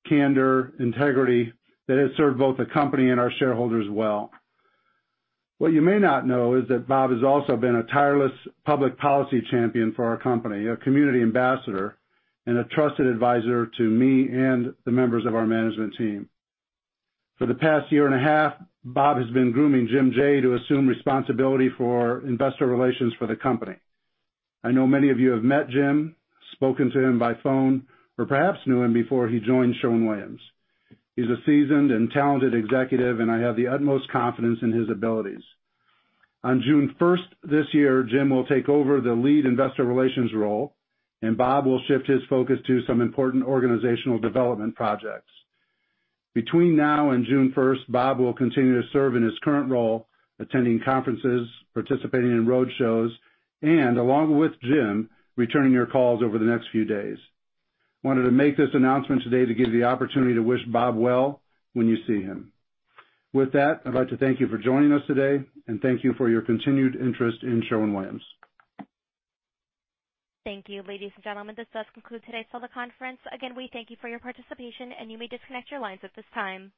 candor, integrity that has served both the company and our shareholders well. What you may not know is that Bob has also been a tireless public policy champion for our company, a community ambassador, and a trusted advisor to me and the members of our management team. For the past year and a half, Bob has been grooming Jim Jaye to assume responsibility for investor relations for the company. I know many of you have met Jim, spoken to him by phone, or perhaps knew him before he joined Sherwin-Williams. He's a seasoned and talented executive, and I have the utmost confidence in his abilities. On June 1st this year, Jim will take over the lead investor relations role, and Bob will shift his focus to some important organizational development projects. Between now and June 1st, Bob will continue to serve in his current role, attending conferences, participating in road shows, and along with Jim, returning your calls over the next few days. I wanted to make this announcement today to give the opportunity to wish Bob well when you see him. With that, I'd like to thank you for joining us today, and thank you for your continued interest in Sherwin-Williams. Thank you, ladies and gentlemen. This does conclude today's teleconference. Again, we thank you for your participation, and you may disconnect your lines at this time.